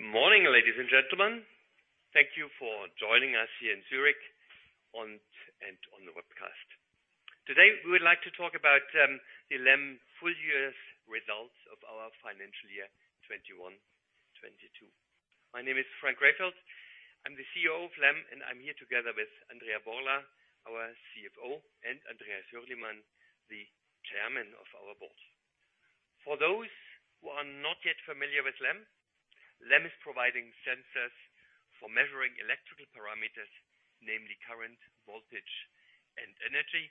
Good morning, ladies and gentlemen. Thank you for joining us here in Zurich and on the webcast. Today, we would like to talk about the LEM Full Year's Results of Our Financial Year 2021-2022. My name is Frank Rehfeld. I'm the CEO of LEM, and I'm here together with Andrea Borla, our CFO, and Andreas Hürlimann, the Chairman of our board. For those who are not yet familiar with LEM is providing sensors for measuring electrical parameters, namely current, voltage, and energy.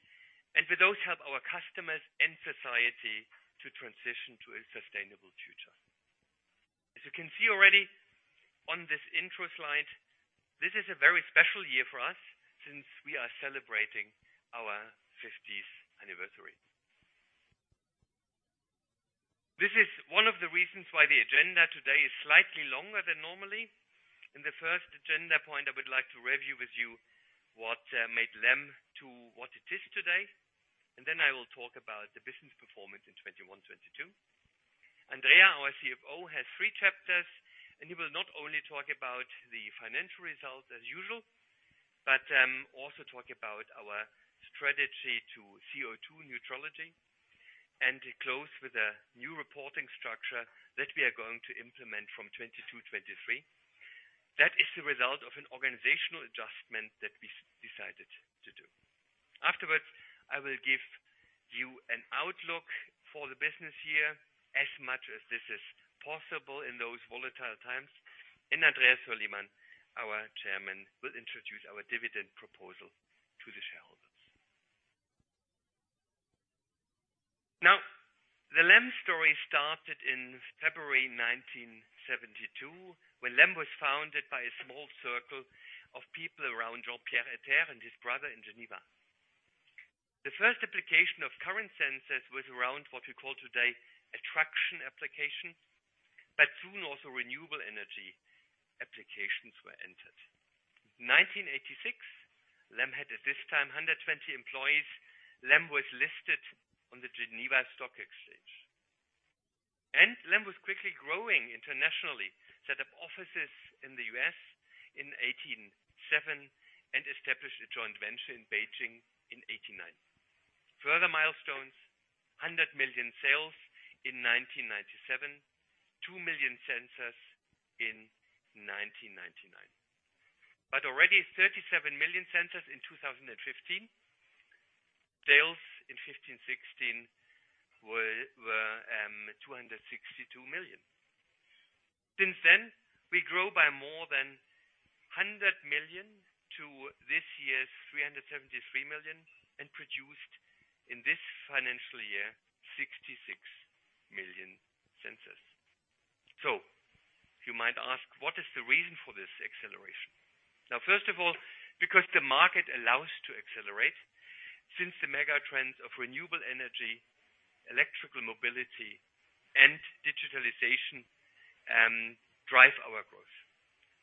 With those, help our customers and society to transition to a sustainable future. As you can see already on this intro slide, this is a very special year for us since we are celebrating our 50th anniversary. This is one of the reasons why the agenda today is slightly longer than normally. In the first agenda point, I would like to review with you what made LEM to what it is today. Then I will talk about the business performance in 2021-2022. Andrea, our CFO, has three chapters, and he will not only talk about the financial results as usual, but also talk about our strategy to CO₂ neutrality, and close with a new reporting structure that we are going to implement from 2022-2023. That is the result of an organizational adjustment that we decided to do. Afterwards, I will give you an outlook for the business year as much as this is possible in those volatile times. Andreas Hürlimann, our Chairman, will introduce our dividend proposal to the shareholders. Now, the LEM story started in February 1972, when LEM was founded by a small circle of people around Jean-Pierre Etter and his brother in Geneva. The first application of current sensors was around what we call today traction application, but soon also renewable energy applications were entered. 1986, LEM had, at this time, 120 employees. LEM was listed on the Geneva Stock Exchange. LEM was quickly growing internationally, set up offices in the U.S. in 1987, and established a joint venture in Beijing in 1989. Further milestones, 100 million sales in 1997, 2 million sensors in 1999. Already 37 million sensors in 2015. Sales in 2015-2016 were 262 million. Since then, we grow by more than 100 million to this year's 373 million, and produced in this financial year 66 million sensors. You might ask, what is the reason for this acceleration? Now, first of all, because the market allows to accelerate since the mega trends of renewable energy, electrical mobility, and digitalization drive our growth.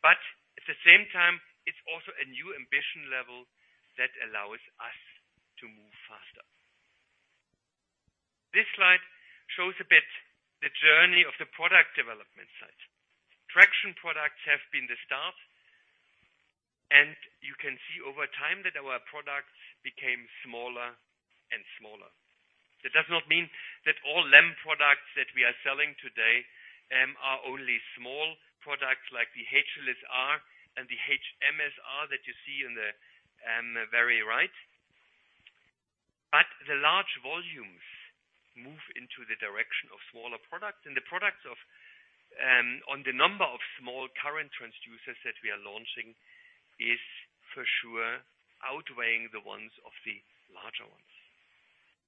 But at the same time, it's also a new ambition level that allows us to move faster. This slide shows a bit the journey of the product development side. Traction products have been the start, and you can see over time that our products became smaller and smaller. That does not mean that all LEM products that we are selling today are only small products like the HLS-R and the HMS-R that you see in the very right. The large volumes move into the direction of smaller products. On the number of small current transducers that we are launching is for sure outweighing the ones of the larger ones.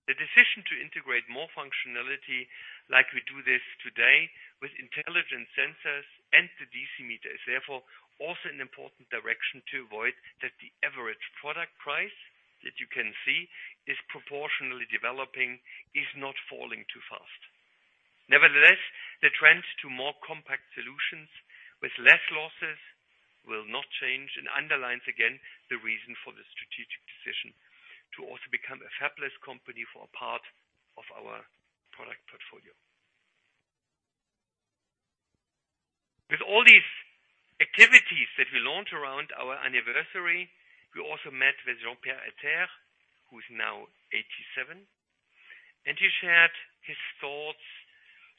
The decision to integrate more functionality like we do this today with intelligent sensors and the DC meter is therefore also an important direction to avoid that the average product price that you can see is proportionally developing, is not falling too fast. Nevertheless, the trend to more compact solutions with less losses will not change and underlines again the reason for the strategic decision to also become a fabless company for a part of our product portfolio. With all these activities that we launched around our anniversary, we also met with Jean-Pierre Etter, who is now 87, and he shared his thoughts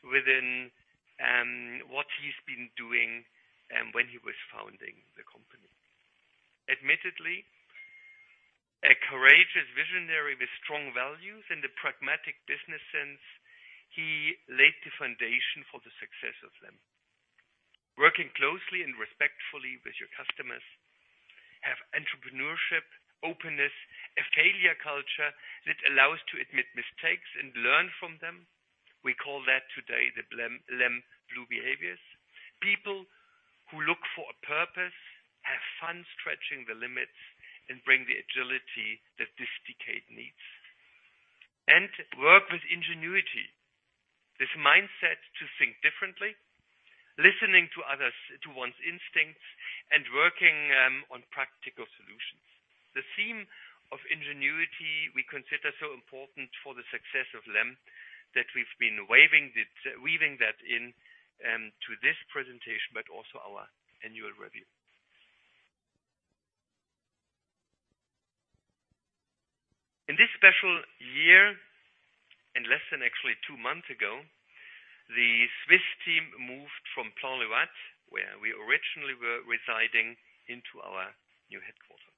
within what he's been doing and when he was founding the company. Admittedly, a courageous visionary with strong values in the pragmatic business sense, he laid the foundation for the success of LEM. Working closely and respectfully with your customers, have entrepreneurship, openness, a failure culture that allows to admit mistakes and learn from them. We call that today the LEM blue behaviors. People who look for a purpose, have fun stretching the limits, and bring the agility that this decade needs. Work with ingenuity. This mindset to think differently, listening to others to one's instincts, and working on practical solutions. The theme of ingenuity we consider so important for the success of LEM that we've been weaving that in to this presentation, but also our annual review. In this special year and less than actually two months ago, the Swiss team moved from Plan-les-Ouates, where we originally were residing, into our new headquarters.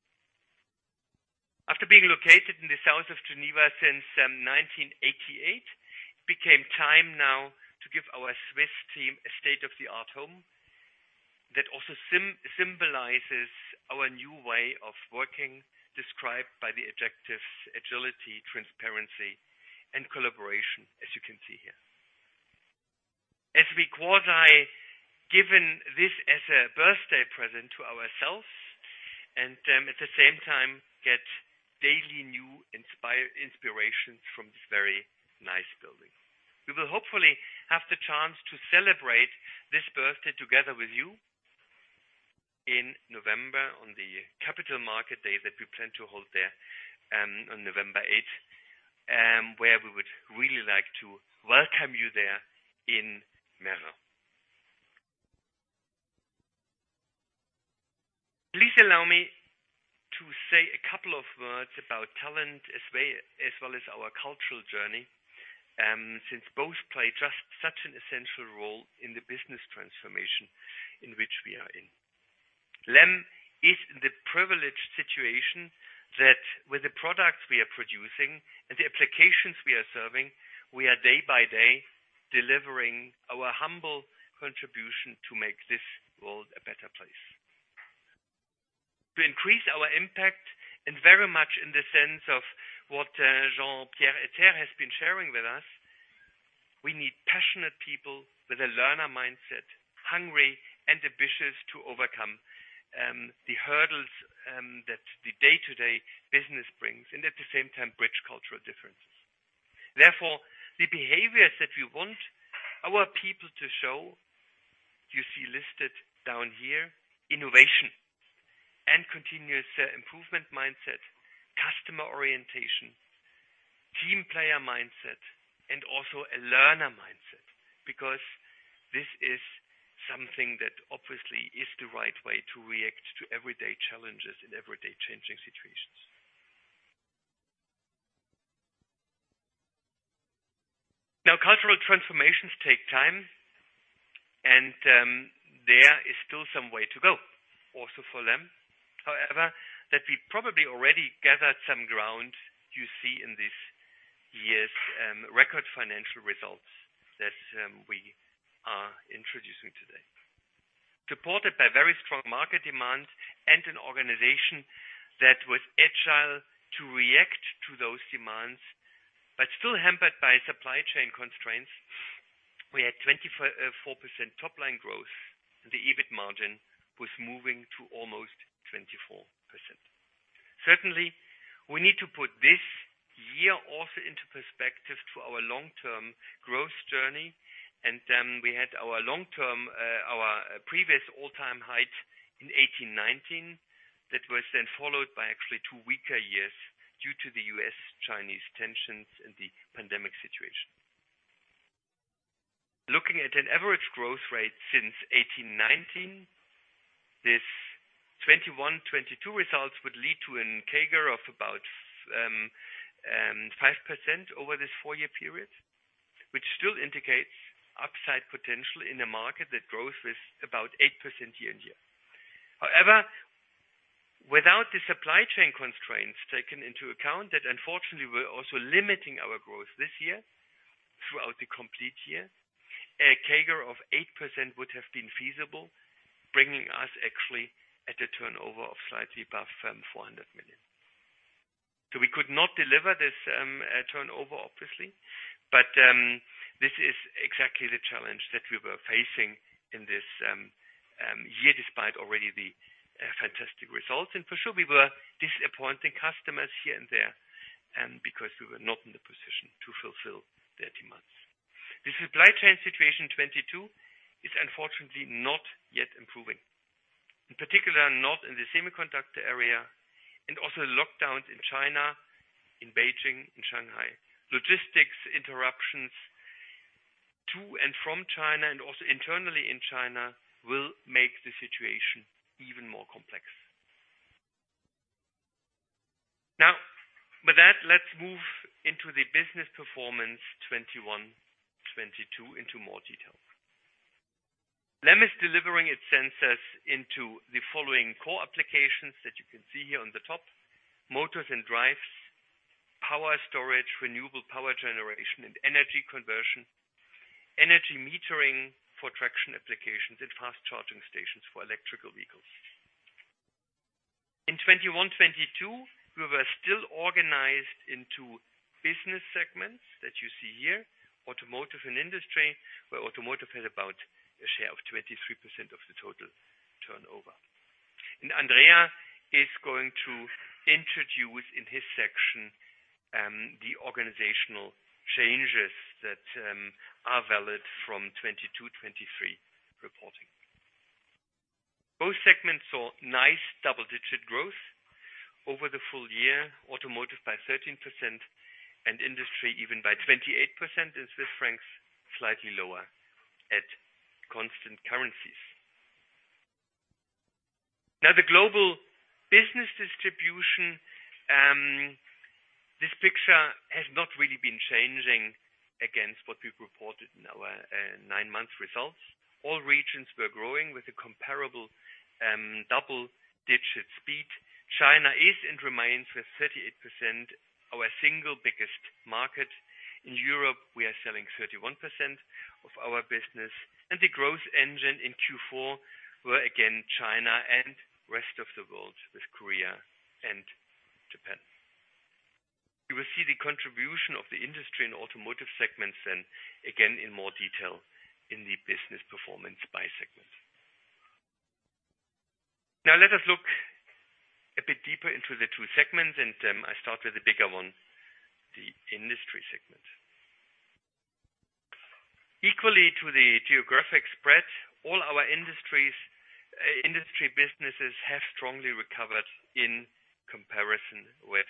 After being located in the south of Geneva since 1988, it became time now to give our Swiss team a state-of-the-art home that also symbolizes our new way of working, described by the objectives agility, transparency, and collaboration, as you can see here. As we've quasi given this as a birthday present to ourselves and, at the same time, get daily new inspirations from this very nice building. We will hopefully have the chance to celebrate this birthday together with you in November on the Capital Market Day that we plan to hold there, on November 8th, where we would really like to welcome you there in Meyrin. Please allow me to say a couple of words about talent as well as our cultural journey, since both play just such an essential role in the business transformation in which we are in. LEM is in the privileged situation that with the products we are producing and the applications we are serving, we are day-by-day delivering our humble contribution to make this world a better place. To increase our impact and very much in the sense of what Jean-Pierre Etter has been sharing with us, we need passionate people with a learner mindset, hungry and ambitious to overcome the hurdles that the day-to-day business brings and at the same time bridge cultural differences. Therefore, the behaviors that we want our people to show, you see listed down here, innovation and continuous improvement mindset, customer orientation, team player mindset, and also a learner mindset, because this is something that obviously is the right way to react to everyday challenges in everyday changing situations. Now, cultural transformations take time, and there is still some way to go also for LEM. However, that we probably already gathered some ground, you see in this year's record financial results that we are introducing today. Supported by very strong market demand and an organization that was agile to react to those demands, but still hampered by supply chain constraints, we had 24.4% top-line growth. The EBIT margin was moving to almost 24%. Certainly, we need to put this year also into perspective to our long-term growth journey, and we had our long-term, our previous all-time high in 2019. That was then followed by actually two weaker years due to the U.S.-China tensions and the pandemic situation. Looking at an average growth rate since 2019, these 2021-2022 results would lead to a CAGR of about 5% over this four-year period, which still indicates upside potential in a market that grows with about 8% year-on-year. However, without the supply chain constraints taken into account, that unfortunately we're also limiting our growth this year throughout the complete year, a CAGR of 8% would have been feasible, bringing us actually at a turnover of slightly above 400 million. We could not deliver this turnover obviously, but this is exactly the challenge that we were facing in this year, despite already the fantastic results. For sure we were disappointing customers here and there, because we were not in the position to fulfill their demands. The supply chain situation 2022 is unfortunately not yet improving. In particular, not in the semiconductor area and also lockdowns in China, in Beijing, in Shanghai. Logistics interruptions to and from China and also internally in China will make the situation even more complex. Now, with that, let's move into the business performance 2021-2022 into more detail. LEM is delivering its sensors into the following core applications that you can see here on the top. Motors and drives, power storage, renewable power generation and energy conversion, energy metering for traction applications and fast charging stations for electric vehicles. In 2021-2022, we were still organized into business segments that you see here, automotive and industry, where automotive had about a share of 23% of the total turnover. Andrea is going to introduce in his section, the organizational changes that, are valid from 2022-2023 reporting. Both segments saw nice double-digit growth over the full-year, automotive by 13% and industry even by 28% in CHF, slightly lower at constant currencies. Now the global business distribution, this picture has not really been changing against what we've reported in our nine-month results. All regions were growing with a comparable double-digit speed. China is and remains with 38% our single biggest market. In Europe, we are selling 31% of our business, and the growth engine in Q4 were again China and rest of the world with Korea and Japan. You will see the contribution of the industry and automotive segments then again in more detail in the business performance by segment. Now let us look a bit deeper into the two segments, and I start with the bigger one, the industry segment. Equally to the geographic spread, all our industries, industry businesses have strongly recovered in comparison with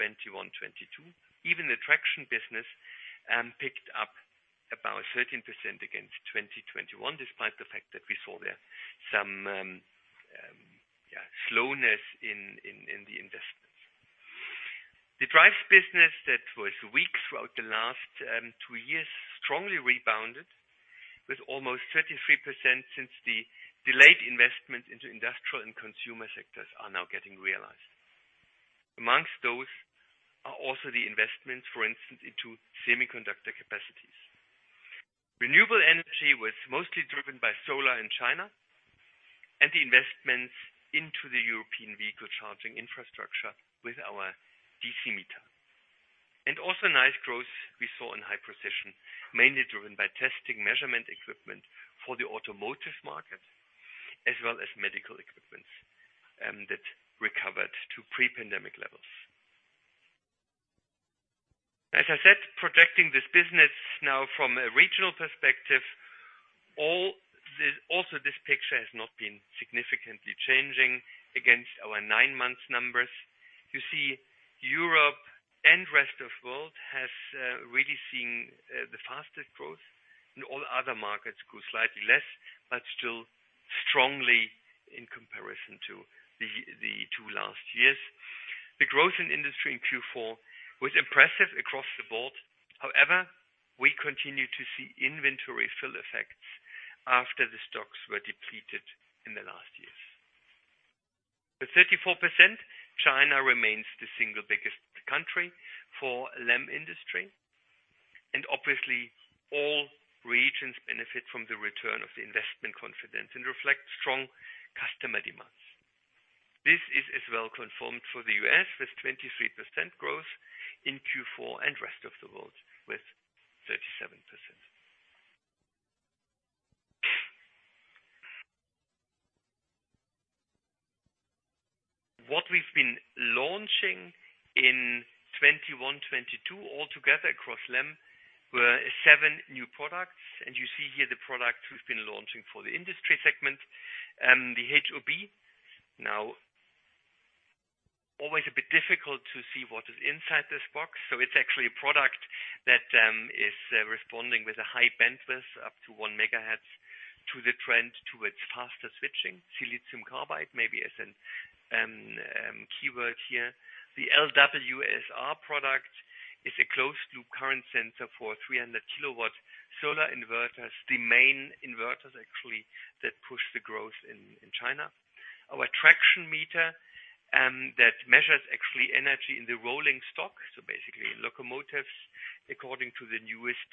2021-2022. Even the traction business picked up about 13% against 2021, despite the fact that we saw there some slowness in the investments. The drives business that was weak throughout the last two years strongly rebounded with almost 33% since the delayed investment into industrial and consumer sectors are now getting realized. Among those are also the investments, for instance, into semiconductor capacities. Renewable energy was mostly driven by solar in China and the investments into the European vehicle charging infrastructure with our DC meter. Also nice growth we saw in high precision, mainly driven by testing measurement equipment for the automotive market as well as medical equipment that recovered to pre-pandemic levels. As I said, projecting this business now from a regional perspective, all this also this picture has not been significantly changing against our nine-month numbers. You see Europe and rest of world has really seen the fastest growth, and all other markets grew slightly less, but still strongly in comparison to the two last years. The growth in industry in Q4 was impressive across the board. However, we continue to see inventory fill effects after the stocks were depleted in the last years. With 34%, China remains the single biggest country for LEM industry, and obviously all regions benefit from the return of the investment confidence and reflect strong customer demands. This is as well confirmed for the U.S. with 23% growth in Q4 and rest of the world with 37%. What we've been launching in 2021-2022 altogether across LEM were seven new products. You see here the product we've been launching for the industry segment, the HOB. Now, always a bit difficult to see what is inside this box. It's actually a product that is responding with a high bandwidth up to 1 MHz to the trend towards faster switching. Silicon carbide maybe is a keyword here. The LWSR product is a closed loop current sensor for 300 kW solar inverters. The main inverters actually that push the growth in China. Our traction meter that measures actually energy in the rolling stock, so basically locomotives according to the newest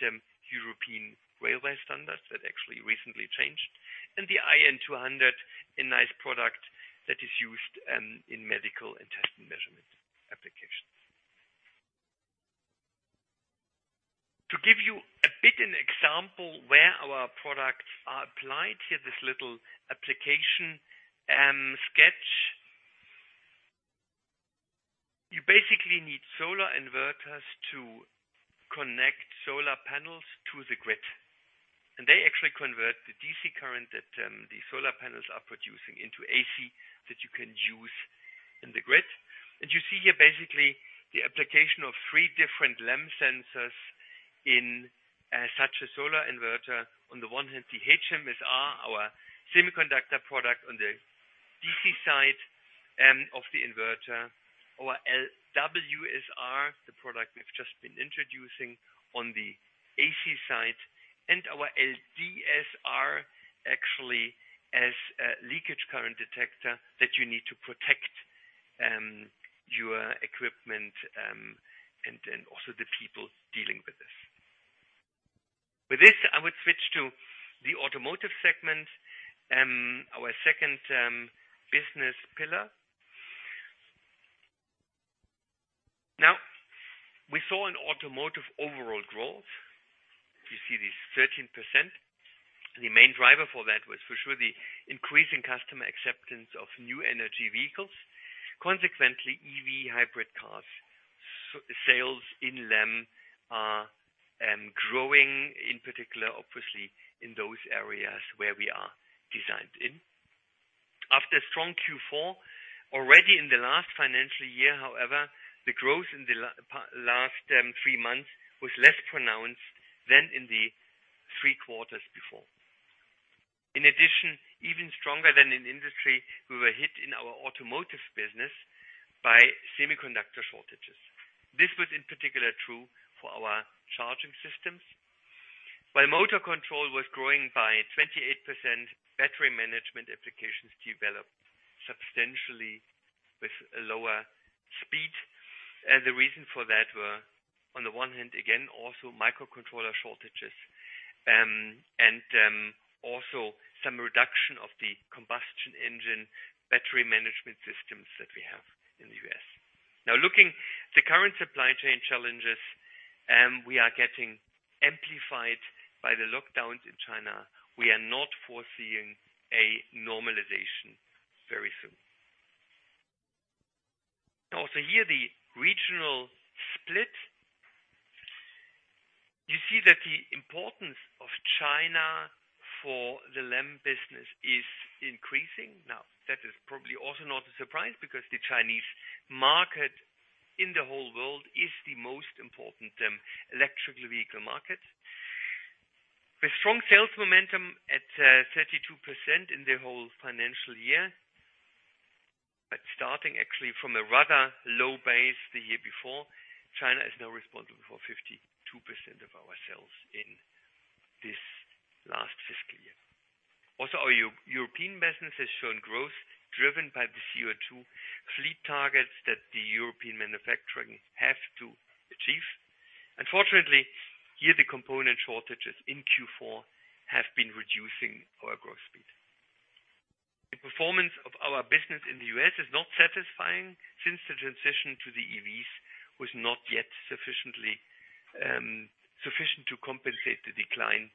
European railway standards that actually recently changed. The IN 200, a nice product that is used in medical and testing measurement applications. To give you a bit of an example where our products are applied, here this little application sketch. You basically need solar inverters to connect solar panels to the grid, and they actually convert the DC current that the solar panels are producing into AC that you can use in the grid. You see here basically the application of three different LEM sensors in such a solar inverter. On the one hand, the HMSR, our semiconductor product on the DC side of the inverter. Our LWSR, the product we've just been introducing on the AC side, and our LDSR actually as a leakage current detector that you need to protect your equipment and then also the people dealing with this. With this, I would switch to the automotive segment, our second business pillar. Now, we saw an automotive overall growth. You see this 13%. The main driver for that was for sure the increasing customer acceptance of new energy vehicles. Consequently, EV hybrid cars sales in LEM are growing, in particular, obviously in those areas where we are designed in. After strong Q4, already in the last financial year, however, the growth in the last three months was less pronounced than in the three quarters before. In addition, even stronger than in industry, we were hit in our automotive business by semiconductor shortages. This was in particular true for our charging systems. While motor control was growing by 28%, battery management applications developed substantially with a lower speed. The reason for that were, on the one hand, again, also microcontroller shortages, and also some reduction of the combustion engine battery management systems that we have in the U.S.. Now, looking at the current supply chain challenges, these are getting amplified by the lockdowns in China. We are not foreseeing a normalization very soon. Here, the regional split. You see that the importance of China for the LEM business is increasing. Now, that is probably also not a surprise because the Chinese market in the whole world is the most important electric vehicle market. With strong sales momentum at 32% in the whole financial year, but starting actually from a rather low base the year before, China is now responsible for 52% of our sales in this last fiscal year. Our European business has shown growth driven by the CO₂ fleet targets that the European manufacturing have to achieve. Unfortunately, here the component shortages in Q4 have been reducing our growth speed. The performance of our business in the U.S. is not satisfying since the transition to the EVs was not yet sufficient to compensate the decline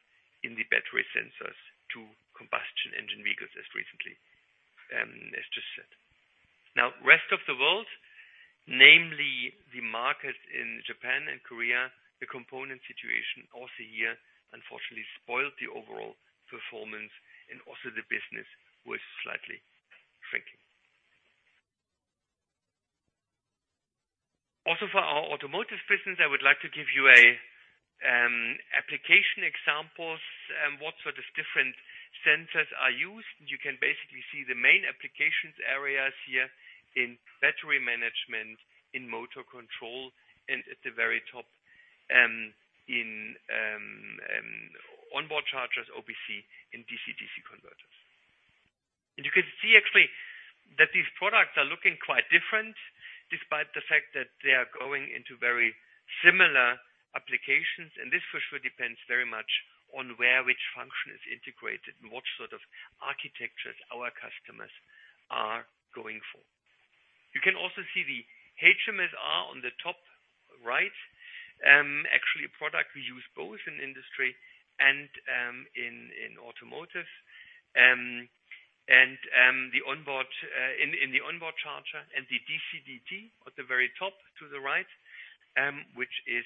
in the battery sensors to combustion engine vehicles as recently as just said. Now, rest of the world, namely the market in Japan and Korea, the component situation also here unfortunately spoiled the overall performance, and also the business was slightly shrinking. Also for our automotive business, I would like to give you a application examples what sort of different sensors are used. You can basically see the main applications areas here in battery management, in motor control, and at the very top in onboard chargers, OBC and DC/DC converters. You can see actually that these products are looking quite different despite the fact that they are going into very similar applications. This for sure depends very much on where which function is integrated and what sort of architectures our customers are going for. You can also see the HMSR on the top right. Actually a product we use both in industry and in automotive and the onboard charger. The DCDT at the very top to the right, which is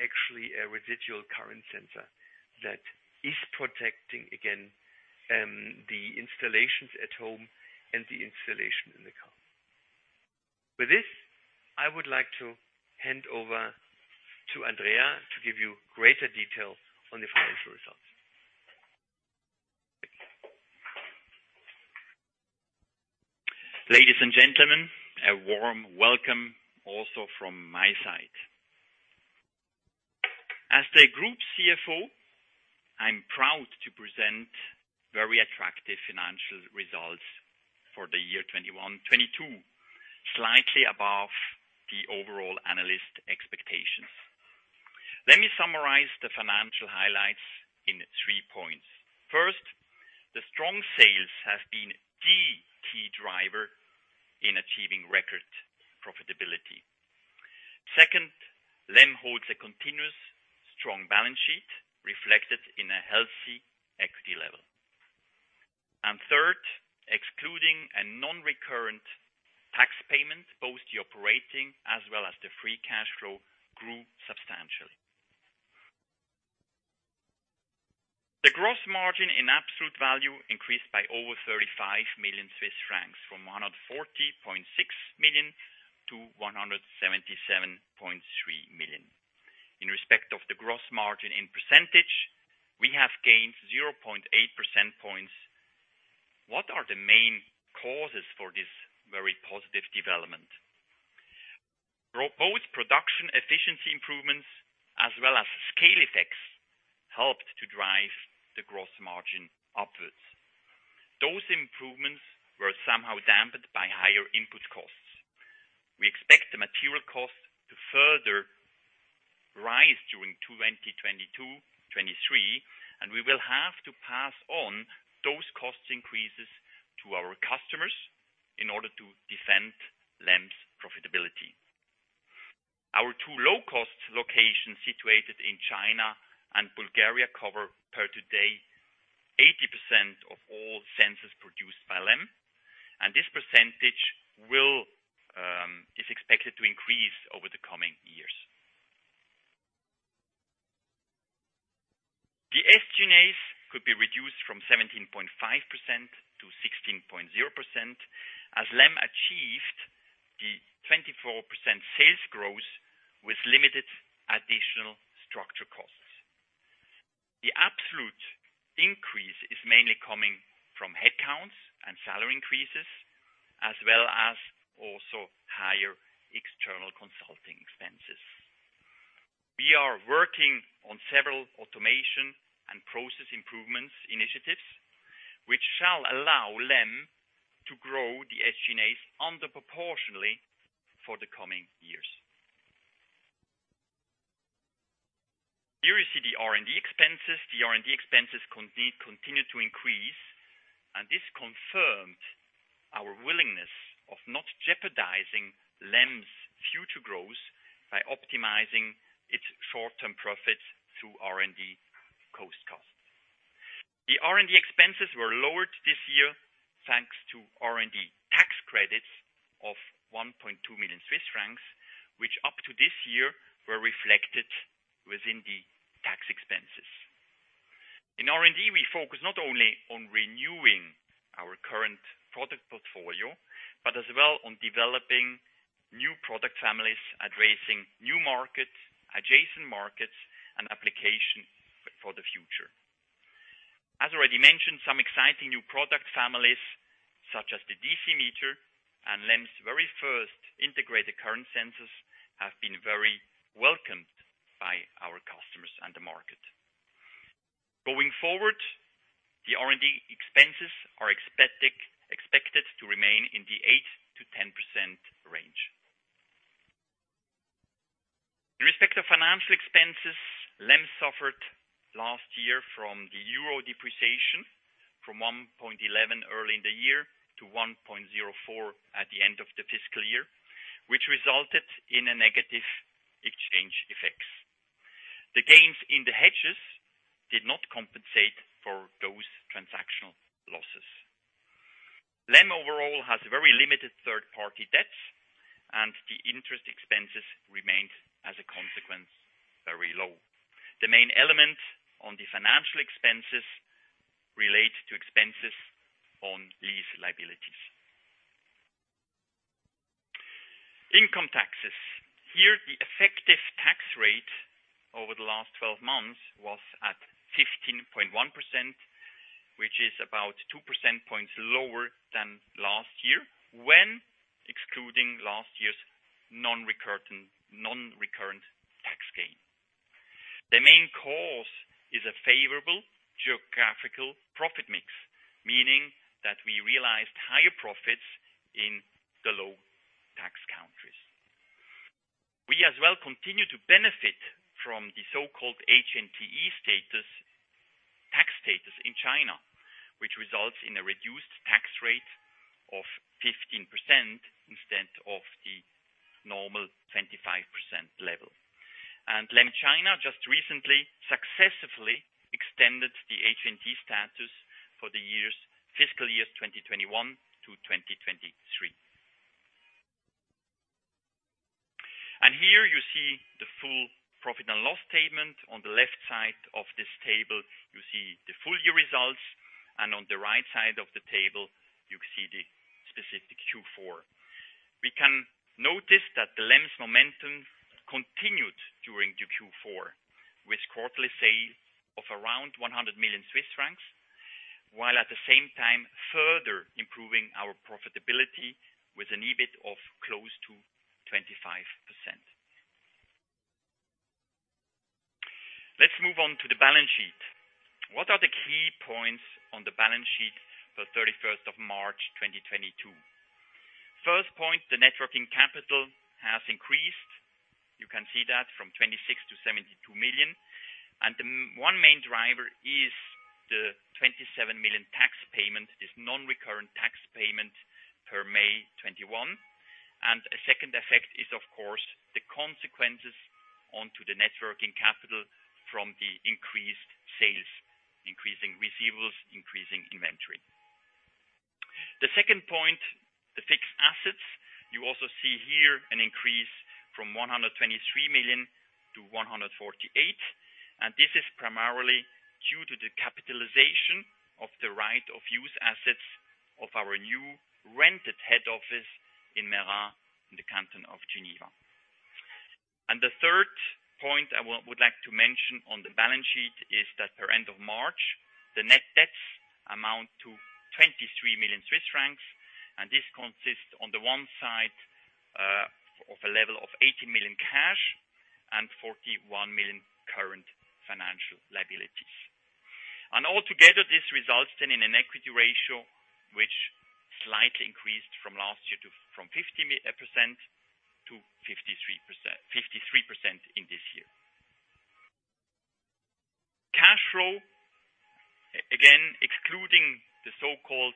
actually a residual current sensor that is protecting, again, the installations at home and the installation in the car. With this, I would like to hand over to Andrea to give you greater detail on the financial results. Thank you. Ladies and gentlemen, a warm welcome also from my side. As the group CFO, I'm proud to present very attractive financial results for the year 2021-2022, slightly above the overall analyst expectations. Let me summarize the financial highlights in three points. First, the strong sales have been the key driver in achieving record profitability. Second, LEM holds a continuous strong balance sheet reflected in a healthy equity level. Third, excluding a non-recurrent tax payment, both the operating as well as the free cash flow grew substantially. The gross margin in absolute value increased by over 35 million Swiss francs, from 140.6 million-177.3 million. In respect of the gross margin in percentage, we have gained 0.8 percentage points. What are the main causes for this very positive development? Both production efficiency improvements as well as scale effects helped to drive the gross margin upwards. Those improvements were somehow dampened by higher input costs. We expect the material cost to further rise during 2022-2023, and we will have to pass on those cost increases to our customers in order to defend LEM's profitability. Our two low cost locations situated in China and Bulgaria cover per today 80% of all sensors produced by LEM. This percentage is expected to increase over the coming years. The SGAs could be reduced from 17.5%-16.0% as LEM achieved the 24% sales growth with limited additional structure costs. The absolute increase is mainly coming from headcounts and salary increases, as well as also higher external consulting expenses. We are working on several automation and process improvements initiatives, which shall allow LEM to grow the SGAs under proportionally for the coming years. Here you see the R&D expenses. The R&D expenses continue to increase, and this confirmed our willingness of not jeopardizing LEM's future growth by optimizing its short-term profits through R&D cost cuts. The R&D expenses were lowered this year, thanks to R&D tax credits of 1.2 million Swiss francs, which up to this year were reflected within the tax expenses. In R&D, we focus not only on renewing our current product portfolio, but as well on developing new product families, addressing new markets, adjacent markets, and application for the future. As already mentioned, some exciting new product families, such as the DC meter and LEM's very first integrated current sensors, have been very welcomed by our customers and the market. Going forward, the R&D expenses are expected to remain in the 8%-10% range. In respect to financial expenses, LEM suffered last year from the euro depreciation from 1.11 early in the year to 1.04 at the end of the fiscal year, which resulted in a negative exchange effects. The gains in the hedges did not compensate for those transactional losses. LEM overall has a very limited third-party debt, and the interest expenses remained as a consequence, very low. The main element on the financial expenses relate to expenses on lease liabilities. Income taxes. Here, the effective tax rate over the last 12 months was at 15.1%, which is about 2 percentage points lower than last year when excluding last year's non-recurrent tax gain. The main cause is a favorable geographical profit mix, meaning that we realized higher profits in the low-tax countries. We as well continue to benefit from the so-called HNTE status, tax status in China, which results in a reduced tax-rate of 15% instead of the normal 25% level. LEM China just recently successfully extended the HNTE status for the fiscal years 2021-2023. Here you see the full profit and loss statement. On the left side of this table, you see the full year results, and on the right side of the table, you see the specific Q4. We can notice that the LEM's momentum continued during the Q4, with quarterly sales of around 100 million Swiss francs, while at the same time further improving our profitability with an EBIT of close to 25%. Let's move on to the balance sheet. What are the key points on the balance sheet for 31st of March, 2022? First point, the net working capital has increased. You can see that from 26 million-72 million. One main driver is the 27 million tax payment, this non-recurrent tax payment per May 21. A second effect is, of course, the consequences onto the net working capital from the increased sales, increasing receivables, increasing inventory. The second point, the fixed assets. You also see here an increase from 123 million-148 million. This is primarily due to the capitalization of the right of use assets of our new rented head office in Meyrin, in the canton of Geneva. The third point I would like to mention on the balance sheet is that as of the end of March, the net debt amounts to 23 million Swiss francs, and this consists on the one side of a level of 80 million cash and 41 million current financial liabilities. Altogether, this results then in an equity ratio which slightly increased from last year to from 50%-53% in this year. Cash flow. Excluding the so-called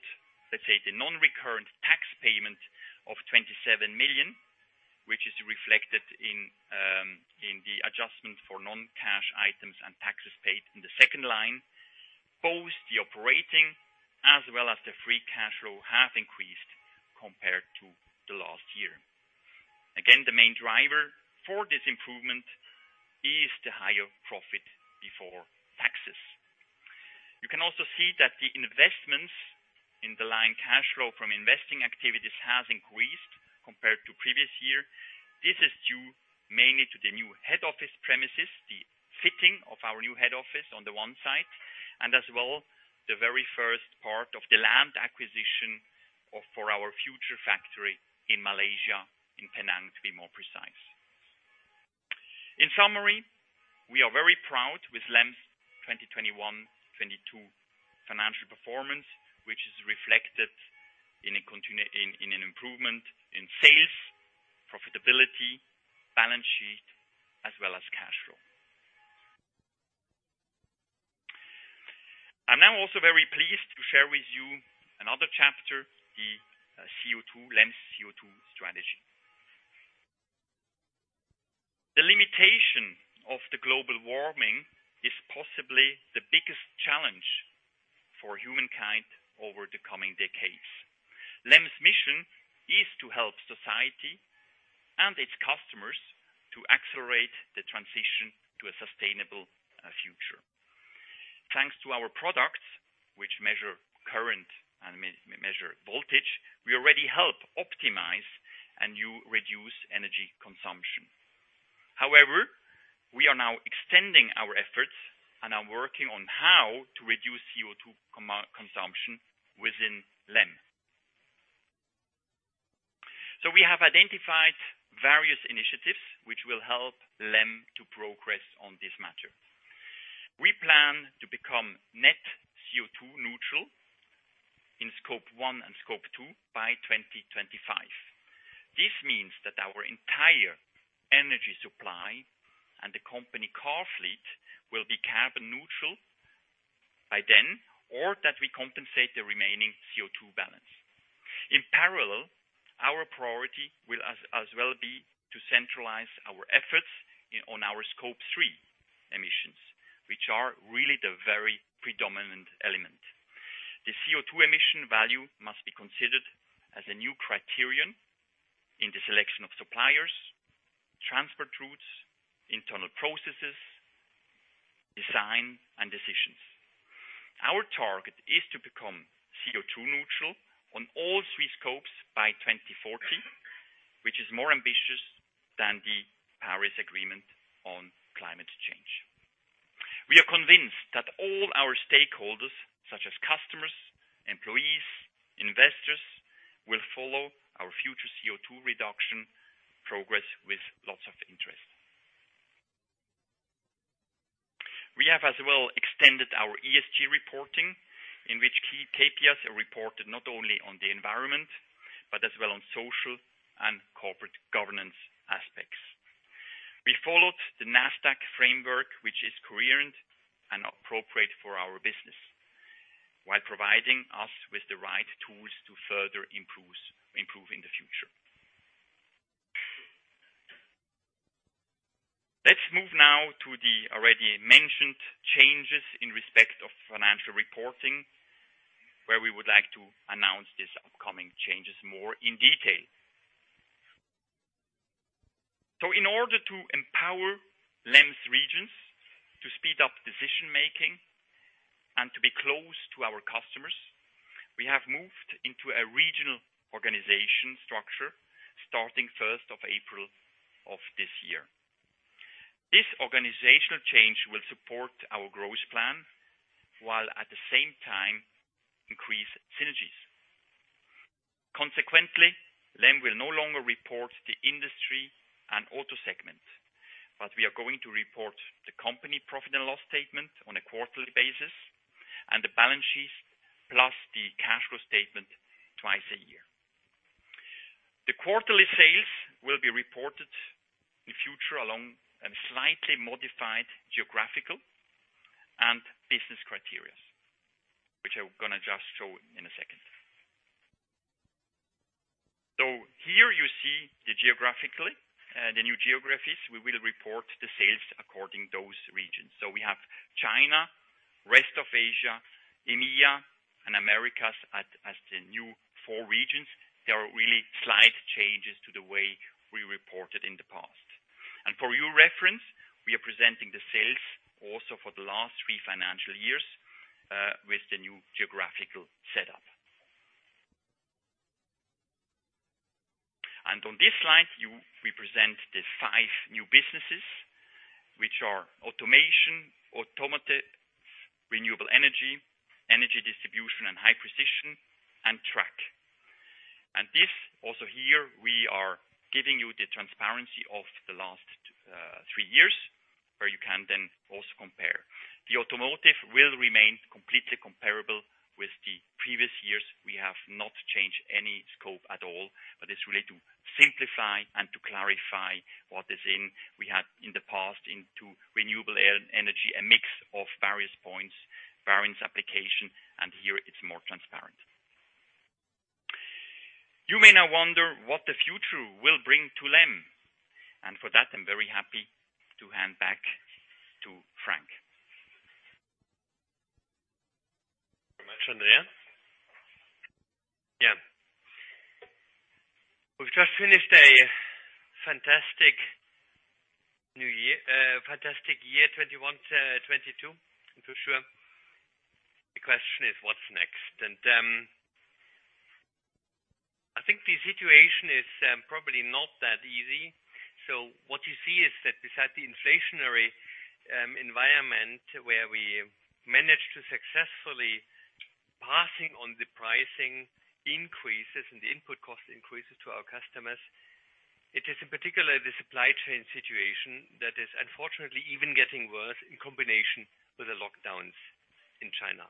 non-recurrent tax payment of 27 million, which is reflected in the adjustment for non-cash items and taxes paid in the second line. Both the operating as well as the free cash flow have increased compared to last year. The main driver for this improvement is the higher profit before taxes. You can also see that the investments in the line cash flow from investing activities has increased compared to previous year. This is due mainly to the new head office premises, the fitting of our new head office on the one side, and as well, the very first part of the land acquisition for our future factory in Malaysia, in Penang, to be more precise. In summary, we are very proud with LEM's 2021-2022 financial performance, which is reflected in an improvement in sales, profitability, balance sheet, as well as cash flow. I'm now also very pleased to share with you another chapter, LEM's CO₂ strategy. The limitation of the global warming is possibly the biggest challenge for humankind over the coming decades. LEM's mission is to help society and its customers to accelerate the transition to a sustainable future. Thanks to our products, which measure current and measure voltage, we already help optimize and reduce energy consumption. However, we are now extending our efforts and are working on how to reduce CO₂ consumption within LEM. We have identified various initiatives which will help LEM to progress on this matter. We plan to become net CO₂ neutral in Scope 1 and Scope 2 by 2025. This means that our entire energy supply and the company car fleet will be carbon neutral by then, or that we compensate the remaining CO₂ balance. In parallel, our priority will as well be to centralize our efforts on our Scope 3 emissions, which are really the very predominant element. The CO₂ emission value must be considered as a new criterion in the selection of suppliers, transport routes, internal processes, design, and decisions. Our target is to become CO₂ neutral on all three scopes by 2040, which is more ambitious than the Paris Agreement on Climate Change. We are convinced that all our stakeholders, such as customers, employees, investors, will follow our future CO₂ reduction progress with lots of interest. We have as well extended our ESG reporting, in which key KPIs are reported not only on the environment, but as well on social and corporate governance aspects. We followed the NASDAQ framework, which is coherent and appropriate for our business while providing us with the right tools to further improve in the future. Let's move now to the already mentioned changes in respect of financial reporting, where we would like to announce these upcoming changes more in detail. In order to empower LEM's regions to speed up decision-making and to be close to our customers, we have moved into a regional organization structure starting 1st of April of this year. This organizational change will support our growth plan, while at the same time increase synergies. Consequently, LEM will no longer report the industry and auto segment, but we are going to report the company profit and loss statement on a quarterly basis and the balance sheet plus the cash flow statement twice a year. The quarterly sales will be reported in future along a slightly modified geographical and business criteria, which I'm gonna just show in a second. Here you see the new geographies. We will report the sales according to those regions. We have China, rest of Asia, EMEA, and Americas as the new four regions. There are really slight changes to the way we reported in the past. For your reference, we are presenting the sales also for the last three financial years with the new geographical setup. On this slide, it represents the five new businesses, which are Automation, Automotive, Renewable Energy Distribution, and High Precision and Track. This also here we are giving you the transparency of the last three years, where you can then also compare. The automotive will remain completely comparable with the previous years. We have not changed any scope at all, but it's really to simplify and to clarify what is in. We had in the past in renewable energy a mix of various points, various applications, and here it's more transparent. You may now wonder what the future will bring to LEM. For that, I'm very happy to hand back to Frank. Very much, Andrea. Yeah. We've just finished a fantastic year, 2021-2022. I'm not sure. The question is, what's next? I think the situation is probably not that easy. What you see is that besides the inflationary environment where we managed to successfully passing on the pricing increases and the input cost increases to our customers, it is in particular the supply chain situation that is unfortunately even getting worse in combination with the lockdowns in China.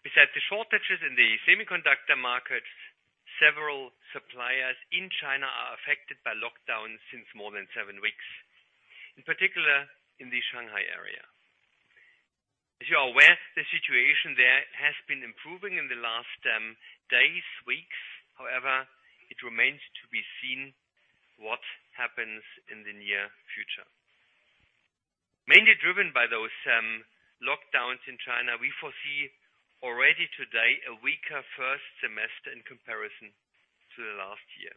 Besides the shortages in the semiconductor markets, several suppliers in China are affected by lockdowns since more than seven weeks, in particular in the Shanghai area. As you are aware, the situation there has been improving in the last days, weeks. However, it remains to be seen what happens in the near future. Mainly driven by those lockdowns in China, we foresee already today a weaker first semester in comparison to the last year.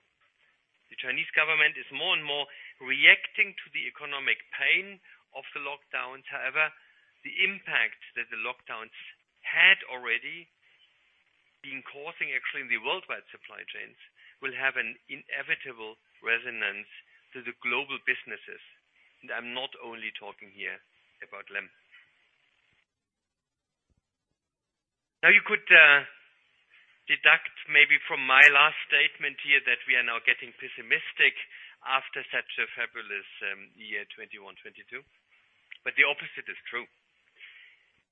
The Chinese government is more and more reacting to the economic pain of the lockdowns. However, the impact that the lockdowns had already been causing actually in the worldwide supply chains will have an inevitable resonance to the global businesses. I'm not only talking here about LEM. Now, you could deduct maybe from my last statement here that we are now getting pessimistic after such a fabulous year 2021-2022. But the opposite is true.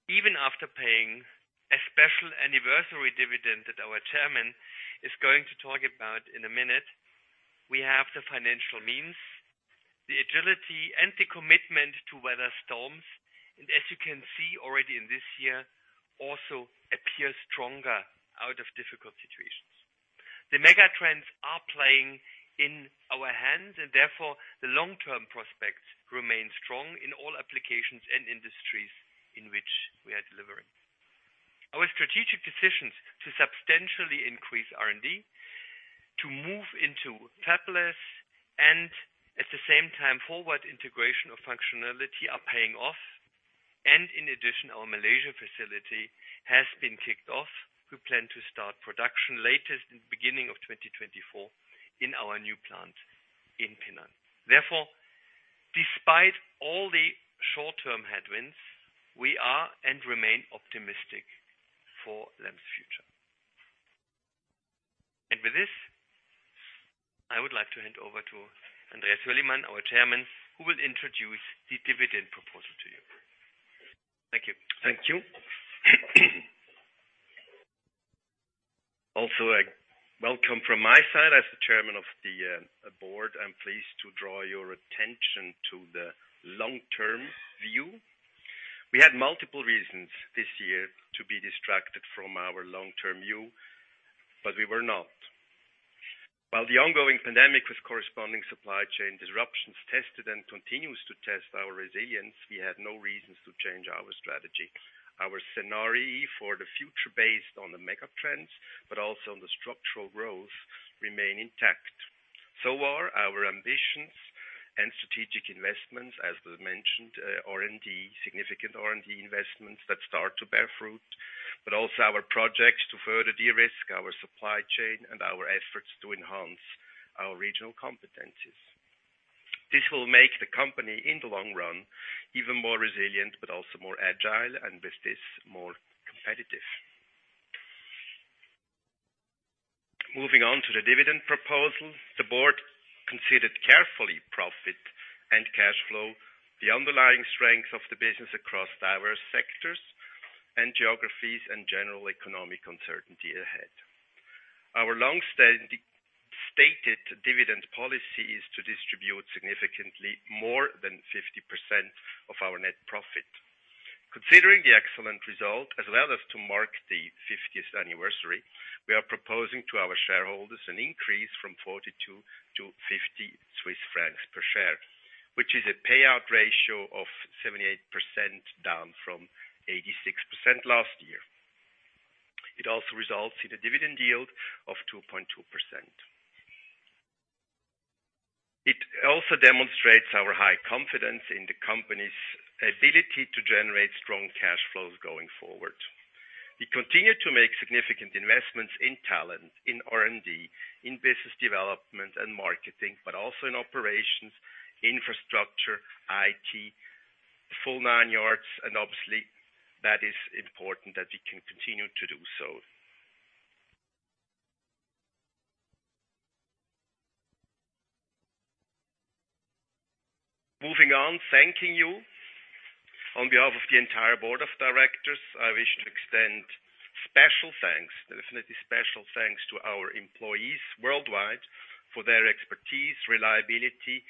Even after paying a special anniversary dividend that our chairman is going to talk about in a minute, we have the financial means, the agility, and the commitment to weather storms. As you can see already in this year, also appear stronger out of difficult situations. The mega trends are playing in our hands, and therefore the long-term prospects remain strong in all applications and industries in which we are delivering. Our strategic decisions to substantially increase R&D, to move into fabless, and at the same time forward integration of functionality are paying off. In addition, our Malaysia facility has been kicked off. We plan to start production latest in the beginning of 2024 in our new plant in Penang. Therefore, despite all the short-term headwinds, we are and remain optimistic for LEM's future. With this, I would like to hand over to Andreas Hürlimann, our Chairman, who will introduce the dividend proposal to you. Thank you. Thank you. A welcome from my side. As the chairman of the board, I'm pleased to draw your attention to the long-term view. We had multiple reasons this year to be distracted from our long-term view, but we were not. While the ongoing pandemic with corresponding supply chain disruptions tested and continues to test our resilience, we had no reasons to change our strategy. Our scenario for the future based on the megatrends, but also on the structural growth remain intact. Our ambitions and strategic investments, as was mentioned, R&D, significant R&D investments that start to bear fruit, but also our projects to further de-risk our supply chain and our efforts to enhance our regional competencies. This will make the company in the long-run, even more resilient, but also more agile, and with this, more competitive. Moving on to the dividend proposal. The board considered carefully profit and cash flow, the underlying strength of the business across diverse sectors and geographies, and general economic uncertainty ahead. Our long-standing stated dividend policy is to distribute significantly more than 50% of our net profit. Considering the excellent result has allowed us to mark the fiftieth anniversary, we are proposing to our shareholders an increase from 42-50 Swiss francs per share, which is a payout ratio of 78%, down from 86% last year. It also results in a dividend yield of 2.2%. It also demonstrates our high confidence in the company's ability to generate strong cash flows going forward. We continue to make significant investments in talent, in R&D, in business development and marketing, but also in operations, infrastructure, IT, the full nine yards. Obviously, that is important that we can continue to do so. Moving on, thanking you on behalf of the entire board of directors, I wish to extend special thanks, definitely special thanks to our employees worldwide for their expertise, reliability,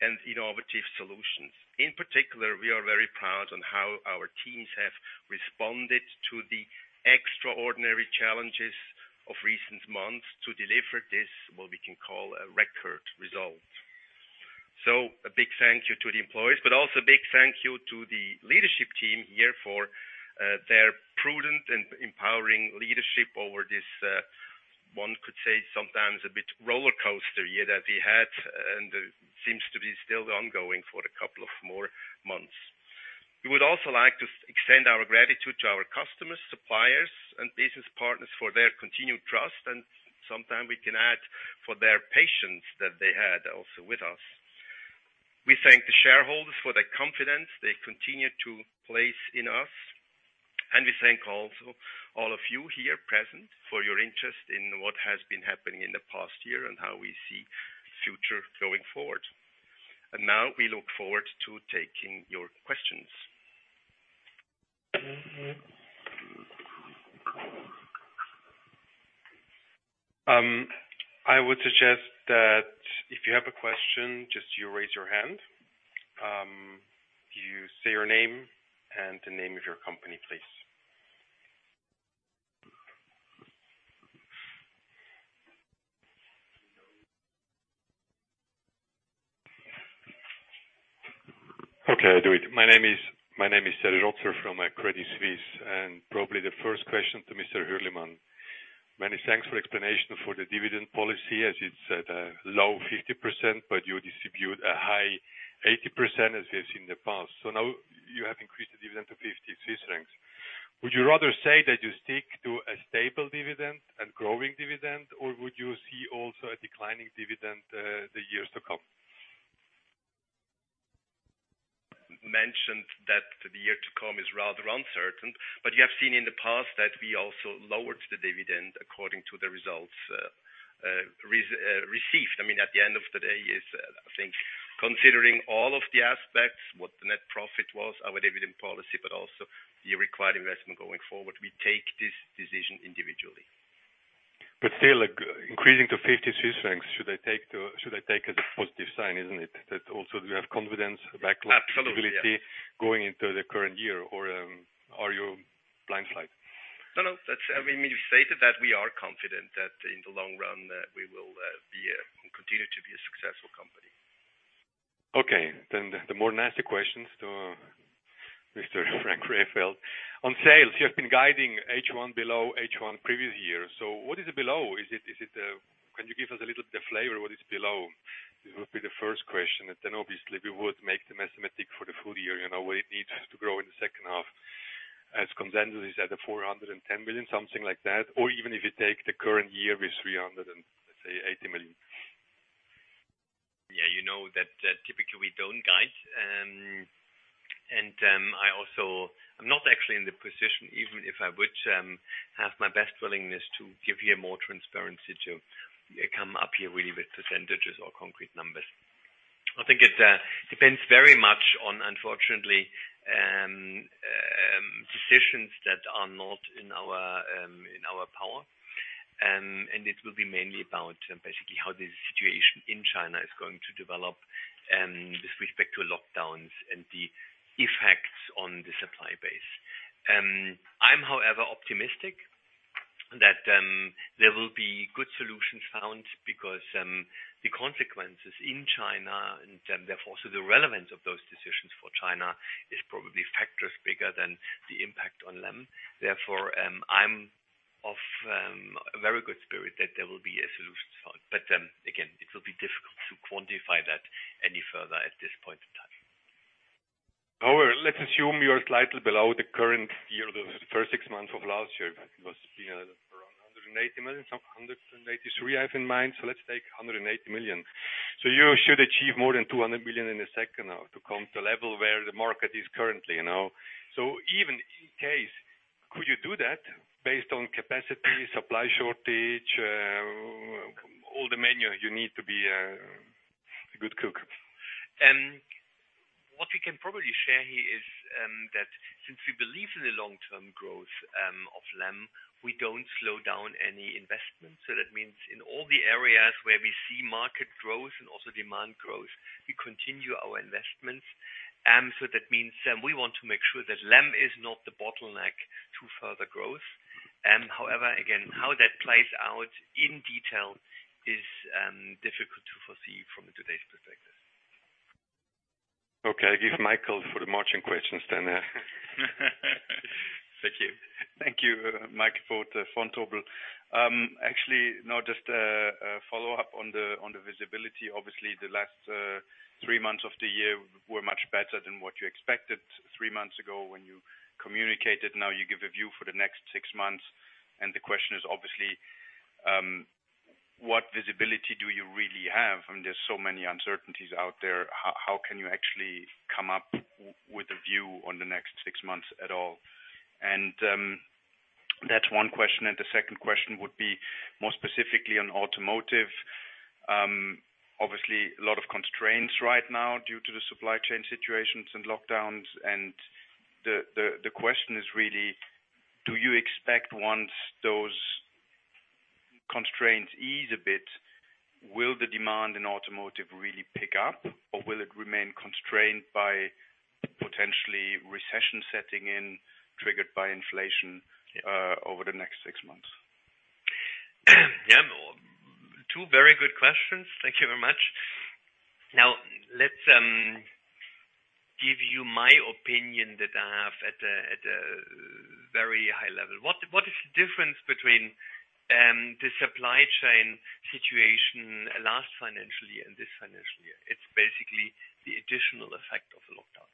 and innovative solutions. In particular, we are very proud on how our teams have responded to the extraordinary challenges of recent months to deliver this, what we can call a record result. A big thank you to the employees, but also a big thank you to the leadership team here for their prudent and empowering leadership over this, one could say sometimes a bit roller coaster year that we had, and it seems to be still ongoing for a couple of more months. We would also like to extend our gratitude to our customers, suppliers, and business partners for their continued trust, and sometimes we can add for their patience that they had also with us. We thank the shareholders for the confidence they continue to place in us, and we thank also all of you here present for your interest in what has been happening in the past year and how we see the future going forward. Now we look forward to taking your questions. I would suggest that if you have a question, just you raise your hand. You say your name and the name of your company, please. My name is Serge Rotzer from Credit Suisse. Probably the first question to Mr. Hürlimann. Many thanks for the explanation of the dividend policy. As you said, low 50%, but you distribute a high 80% as we have seen in the past. Now you have increased the dividend to 50. Would you rather say that you stick to a stable dividend and growing dividend, or would you see also a declining dividend in the years to come? Mentioned that the year to come is rather uncertain, but you have seen in the past that we also lowered the dividend according to the results received. I mean, at the end of the day, I think, considering all of the aspects, what the net profit was, our dividend policy, but also the required investment going forward. We take this decision individually. Still, like, increasing to 50 Swiss francs, should I take as a positive sign, isn't it? That also we have confidence. Absolutely, yeah. Backlog visibility going into the current year, or are you blindsided? No, no. That's, we stated that we are confident that in the long run that we will continue to be a successful company. Okay. The more nasty questions to Mr. Frank Rehfeld. On sales, you have been guiding H1 below H1 previous year. What is it below? Is it can you give us a little the flavor, what is below? It would be the first question. Obviously we would make the mathematics for the full year, you know, what it needs to grow in the second half as consensus is at the 410 million, something like that. Even if you take the current year with 380 million. Yeah. You know that typically we don't guide. I'm not actually in the position, even if I would have my best willingness to give you more transparency to come up here really with percentages or concrete numbers. I think it depends very much on, unfortunately, decisions that are not in our power. It will be mainly about basically how the situation in China is going to develop with respect to lockdowns and the effects on the supply base. I'm however optimistic that there will be good solutions found because the consequences in China and therefore so the relevance of those decisions for China is probably factors bigger than the impact on LEM. Therefore, I'm of a very good spirit that there will be a solution found. Again, it will be difficult to quantify that any further at this point in time. However, let's assume you're slightly below the current year. The first six months of last year, it was, you know, around 180 million, some 183 I have in mind. Let's take 180 million. You should achieve more than 200 million in the second half to come to level where the market is currently, you know. Even in case, could you do that based on capacity, supply shortage, all the means you need to be a good cook? What we can probably share here is that since we believe in the long-term growth of LEM, we don't slow down any investment. That means in all the areas where we see market growth and also demand growth, we continue our investments. That means we want to make sure that LEM is not the bottleneck to further growth. However, again, how that plays out in detail is difficult to foresee from today's perspective. Okay. I give Michael for the remaining questions then. Thank you. Thank you, Mike Vontobel. Actually, now just a follow-up on the visibility. Obviously, the last three months of the year were much better than what you expected three months ago when you communicated. Now you give a view for the next six months, and the question is obviously what visibility do you really have? I mean, there's so many uncertainties out there. How can you actually come up with a view on the next six months at all? That's one question, and the second question would be more specifically on automotive. Obviously a lot of constraints right now due to the supply chain situations and lockdowns. The question is really, do you expect once those constraints ease a bit, will the demand in automotive really pick up, or will it remain constrained by potentially recession setting in, triggered by inflation, over the next six months? Yeah. Two very good questions. Thank you very much. Now, let's give you my opinion that I have at a very high level. What is the difference between the supply chain situation last financial year and this financial year? It's basically the additional effect of the lockdowns.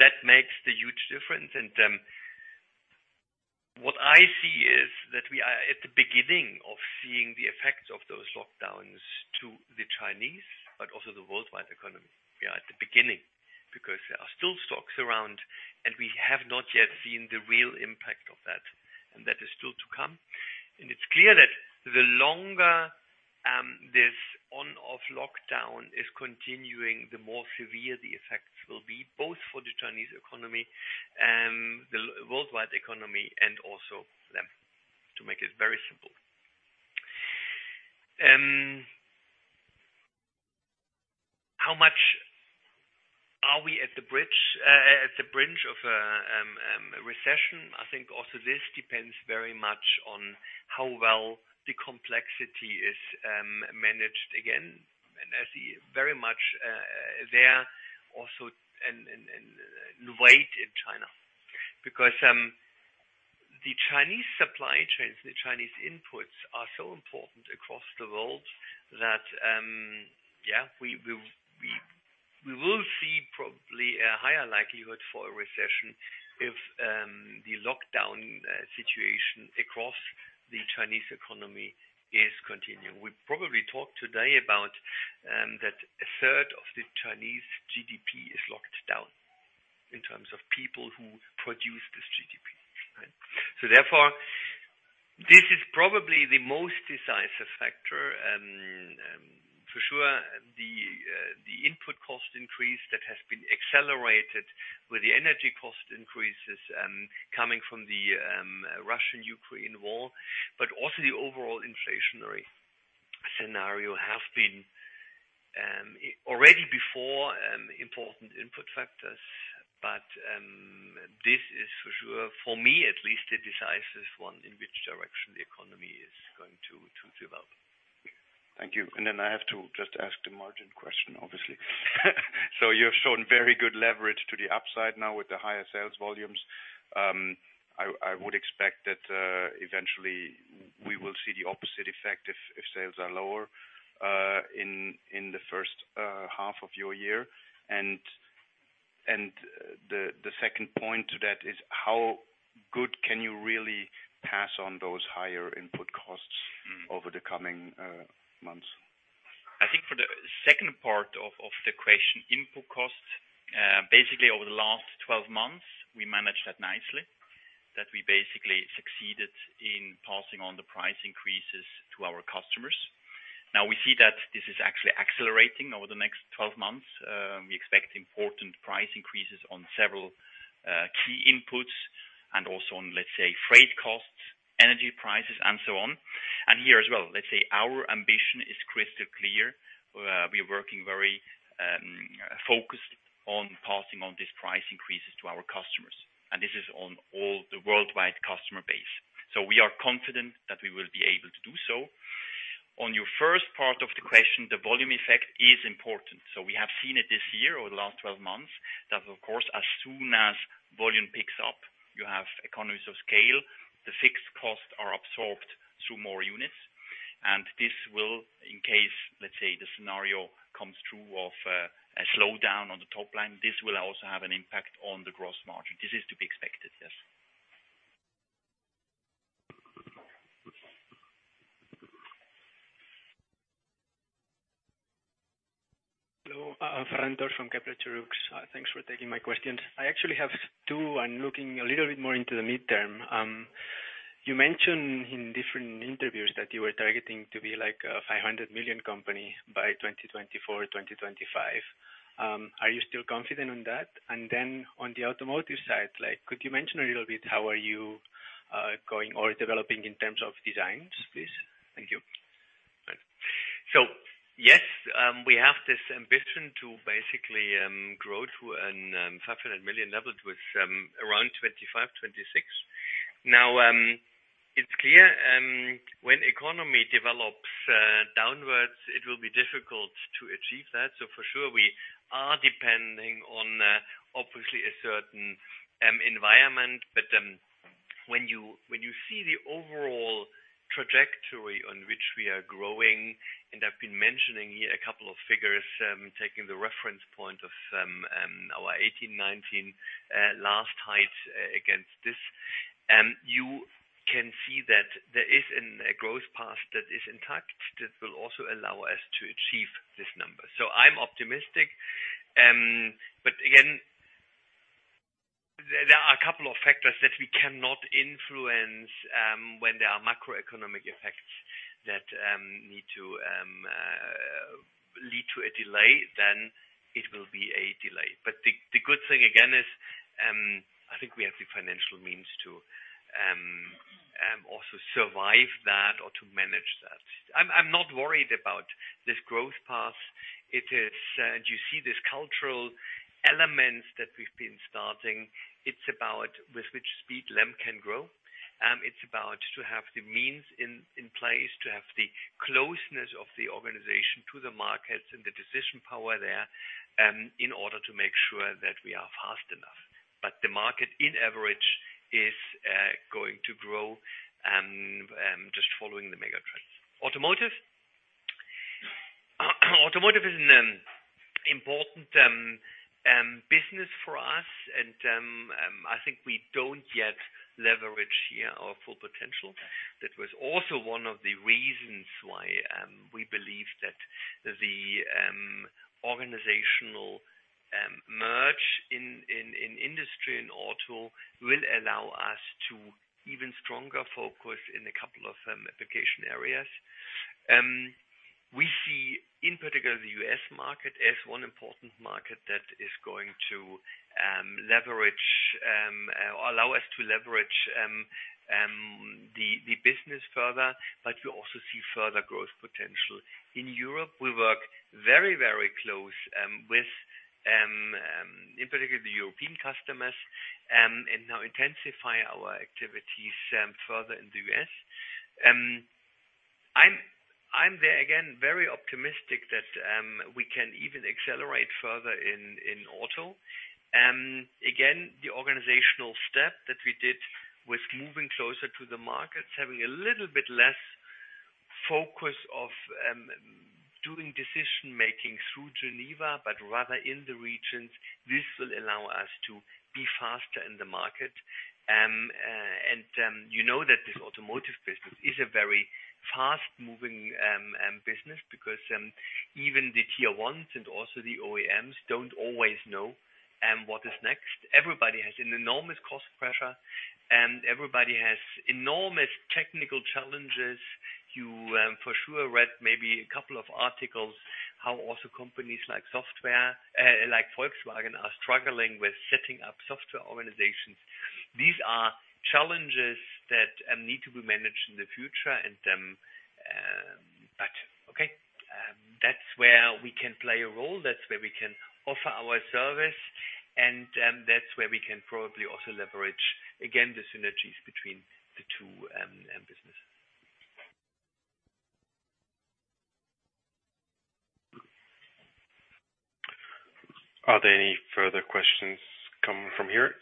That makes the huge difference. What I see is that we are at the beginning of seeing the effects of those lockdowns to the Chinese, but also the worldwide economy. We are at the beginning because there are still stocks around, and we have not yet seen the real impact of that. That is still to come. It's clear that the longer this on/off lockdown is continuing, the more severe the effects will be, both for the Chinese economy and the worldwide economy and also to LEM, to make it very simple. How much are we at the brink of a recession? I think also this depends very much on how well the complexity is managed again. I see very much there also and await in China. Because the Chinese supply chains, the Chinese inputs are so important across the world that, yeah, we will see probably a higher likelihood for a recession if the lockdown situation across the Chinese economy is continuing. We probably talked today about that a third of the Chinese GDP is locked down in terms of people who produce this GDP, right? Therefore, this is probably the most decisive factor. For sure, the input cost increase that has been accelerated with the energy cost increases coming from the Russian-Ukrainian war, but also the overall inflationary scenario have been already before important input factors. This is for sure, for me at least, the decisive one in which direction the economy is going to develop. Thank you. Then I have to just ask the margin question, obviously. You've shown very good leverage to the upside now with the higher sales volumes. I would expect that eventually we will see the opposite effect if sales are lower in the first half of your year. The second point to that is how good can you really pass on those higher input costs over the coming months? I think for the second part of the question, input costs, basically over the last 12 months, we managed that nicely, that we basically succeeded in passing on the price increases to our customers. Now we see that this is actually accelerating over the next 12 months. We expect important price increases on several key inputs and also on, let's say, freight costs, energy prices, and so on. Here as well, let's say our ambition is crystal clear. We are working very focused on passing on these price increases to our customers, and this is on all the worldwide customer base. We are confident that we will be able to do so. On your first part of the question, the volume effect is important. We have seen it this year or the last 12 months. That of course, as soon as volume picks up, you have economies of scale. The fixed costs are absorbed through more units. This will, in case, let's say, the scenario comes through of a slowdown on the top-line, this will also have an impact on the gross margin. This is to be expected. Yes. Hello. [Torsten Sauter]- from Kepler Cheuvreux. Thanks for taking my questions. I actually have two, and looking a little bit more into the midterm. You mentioned in different interviews that you were targeting to be like a 500 million company by 2024-2025. Are you still confident on that? And then on the automotive side, like, could you mention a little bit how are you going or developing in terms of designs, please? Thank you. Right. Yes, we have this ambition to basically grow to a 500 million level with around 2025-2026. Now, it's clear when economy develops downwards, it will be difficult to achieve that. For sure, we are depending on obviously a certain environment. When you see the overall trajectory on which we are growing, and I've been mentioning here a couple of figures, taking the reference point of our 2018-2019 last high against this, you can see that there is a growth path that is intact that will also allow us to achieve this number. I'm optimistic. Again, there are a couple of factors that we cannot influence, when there are macroeconomic effects that need to lead to a delay, then it will be a delay. The good thing again is, I think we have the financial means to also survive that or to manage that. I'm not worried about this growth path. It is you see these cultural elements that we've been starting. It's about with which speed LEM can grow. It's about to have the means in place to have the closeness of the organization to the markets and the decision power there, in order to make sure that we are fast enough. The market on average is going to grow just following the mega trends. Automotive. Automotive is an important business for us. I think we don't yet leverage here our full potential. That was also one of the reasons why we believe that the organizational merger in industry and auto will allow us to even stronger focus in a couple of application areas. We see in particular the U.S. market as one important market that is going to allow us to leverage the business further, but we also see further growth potential. In Europe, we work very, very close with in particular the European customers and now intensify our activities further in the U.S. I'm there again very optimistic that we can even accelerate further in auto. Again, the organizational step that we did with moving closer to the markets, having a little bit less focus of doing decision-making through Geneva, but rather in the regions, this will allow us to be faster in the market. You know that this automotive business is a very fast-moving business because even the tier ones and also the OEMs don't always know what is next. Everybody has an enormous cost pressure, and everybody has enormous technical challenges. You for sure read maybe a couple of articles how also companies like Volkswagen are struggling with setting up software organizations. These are challenges that need to be managed in the future, but okay. That's where we can play a role, that's where we can offer our service, and that's where we can probably also leverage, again, the synergies between the two business. Are there any further questions coming from here?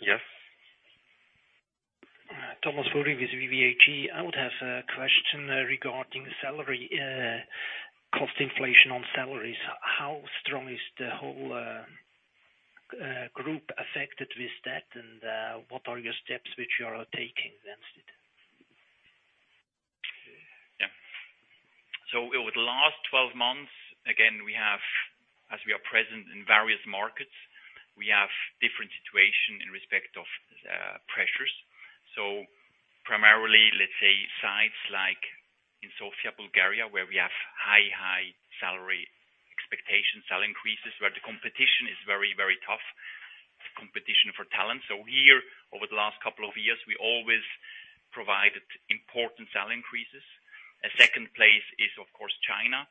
Yes. [Thomas Fuelling with VBAG]. I would have a question regarding salary cost inflation on salaries. How strong is the whole group affected with that? What are your steps which you are taking then instead? Over the last 12 months, again, as we are present in various markets, we have different situation in respect of pressures. Primarily, let's say, sites like in Sofia, Bulgaria, where we have high salary expectations, salary increases, where the competition is very tough, competition for talent. Here over the last couple of years, we always provided important salary increases. A second place is, of course, China,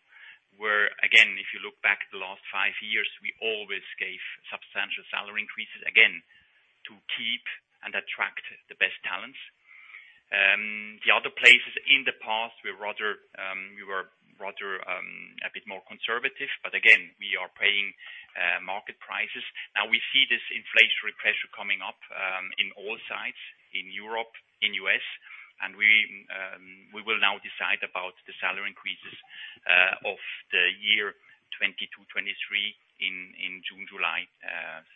where again, if you look back the last five years, we always gave substantial salary increases, again, to keep and attract the best talents. The other places in the past, we were rather a bit more conservative, but again, we are paying market prices. Now we see this inflationary pressure coming up in all sides, in Europe, in U.S., and we will now decide about the salary increases of the year 2022-2023 in June, July.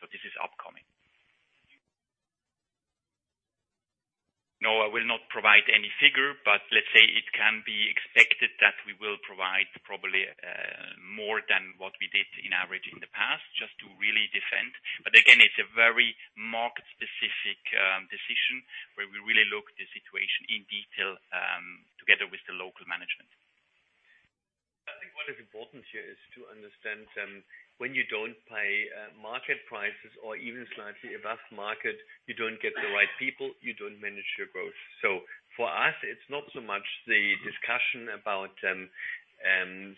This is upcoming. No, I will not provide any figure, but let's say it can be expected that we will provide probably more than what we did in average in the past, just to really defend. Again, it's a very market-specific decision where we really look the situation in detail together with the local management. I think what is important here is to understand when you don't pay market prices or even slightly above market, you don't get the right people, you don't manage your growth. For us, it's not so much the discussion about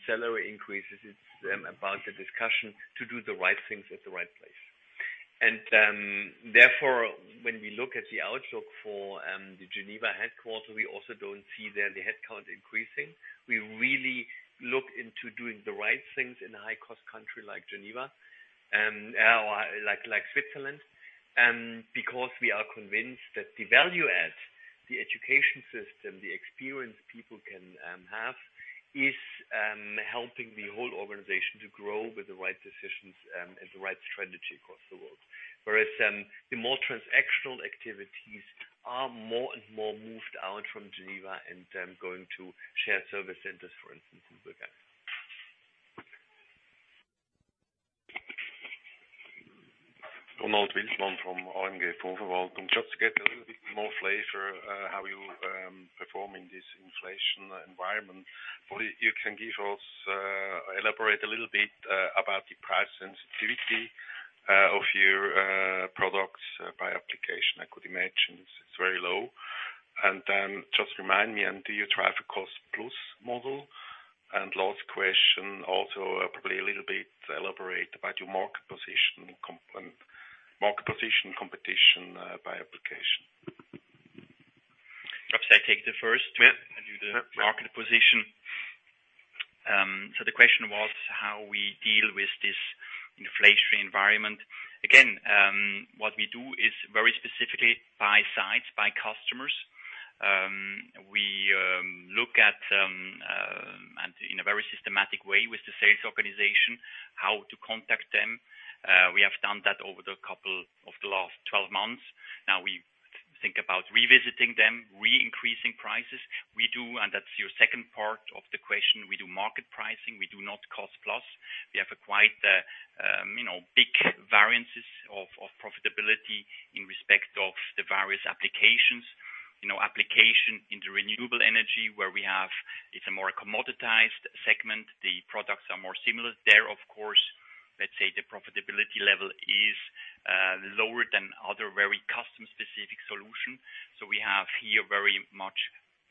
salary increases, it's about the discussion to do the right things at the right place. Therefore, when we look at the outlook for the Geneva headquarters, we also don't see there the headcount increasing. We really look into doing the right things in a high-cost country like Geneva or like Switzerland, because we are convinced that the value adds, the education system, the experience people can have is helping the whole organization to grow with the right decisions and the right strategy across the world. Whereas the more transactional activities are more and more moved out from Geneva and going to shared service centers, for instance, in Bergen. [Ronald Weisman] from. Just to get a little bit more flavor, how you perform in this inflation environment. What you can give us, elaborate a little bit about the price sensitivity of your products by application. I could imagine it's very low. Just remind me, do you try to cost plus model? Last question also, probably a little bit elaborate about your market position competition by application. Perhaps I take the first. Yes. Do the market position. The question was how we deal with this inflationary environment. Again, what we do is very specifically by sites, by customers. We look at and in a very systematic way with the sales organization, how to contact them. We have done that over the course of the last 12 months. Now we think about revisiting them, re-increasing prices. We do, and that's your second part of the question. We do market pricing. We do not cost-plus. We have quite a, you know, big variances of profitability in respect of the various applications. You know, application in the renewable energy where we have, it's a more commoditized segment. The products are more similar. There, of course, let's say the profitability level is lower than other very custom specific solution. We have here very much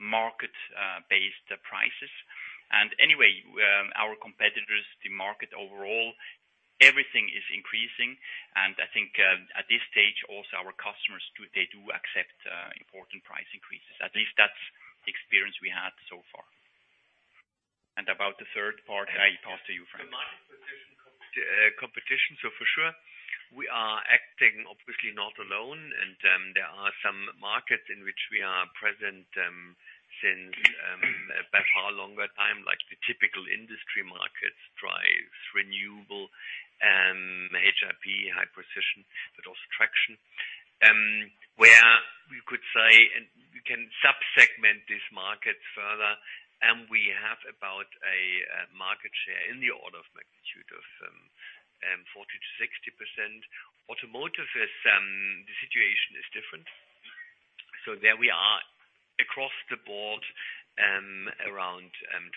market-based prices. Anyway, our competitors, the market overall, everything is increasing. I think at this stage, also our customers they do accept important price increases. At least that's the experience we had so far. About the third part, I pass to you, Frank. The market position competition. For sure, we are acting obviously not alone. There are some markets in which we are present since a far longer-time, like the typical industry markets, drives renewable, HIP, high precision, but also traction, where we could say, and we can sub-segment this market further, and we have about a market share in the order of magnitude of 40%-60%. Automotive is, the situation is different. There we are across the board, around 20%.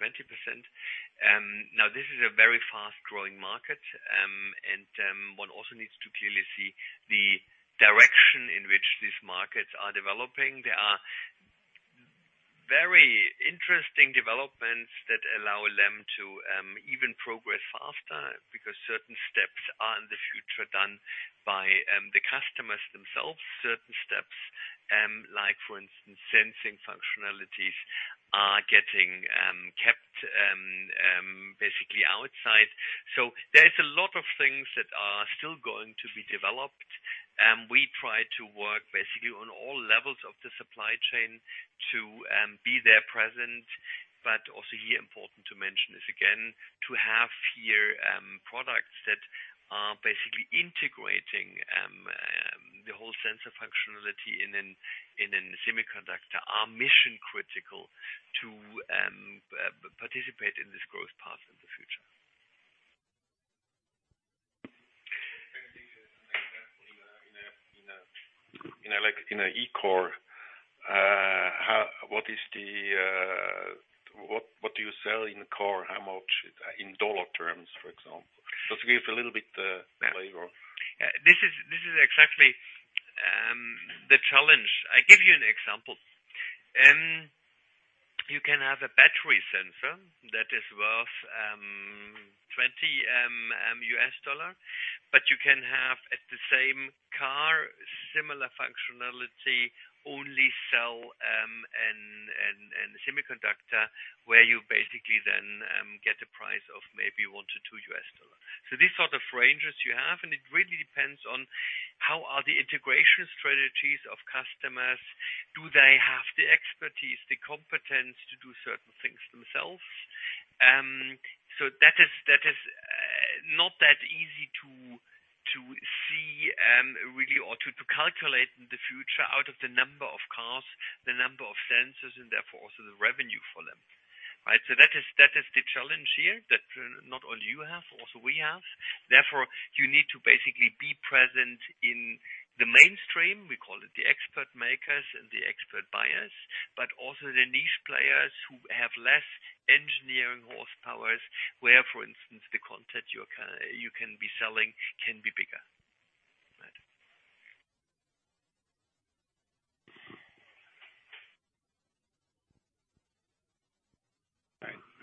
Now this is a very fast-growing market, and one also needs to clearly see the direction in which these markets are developing. There are very interesting developments that allow LEM to even progress faster because certain steps are in the future done by the customers themselves. Certain steps, like for instance, sensing functionalities are getting kept basically outside. There's a lot of things that are still going to be developed. We try to work basically on all levels of the supply chain to be there present, but also here, important to mention this again, to have here products that are basically integrating the whole sensor functionality in a semiconductor are mission critical to participate in this growth path in the future. In a, like in a eCar, what do you sell in a car? How much in dollar terms, for example? Just give us a little bit flavor. This is exactly the challenge. I give you an example. You can have a battery sensor that is worth $20, but you can have at the same car, similar functionality, only sell an semiconductor, where you basically then get a price of maybe $1-$2. These are the ranges you have, and it really depends on how are the integration strategies of customers. Do they have the expertise, the competence to do certain things themselves? That is not that easy to see really or to calculate in the future out of the number of cars, the number of sensors, and therefore also the revenue for them, right? That is the challenge here that not only you have, also we have. Therefore, you need to basically be present in the mainstream. We call it the expert makers and the expert buyers, but also the niche players who have less engineering horsepowers, where, for instance, the content you can be selling can be bigger.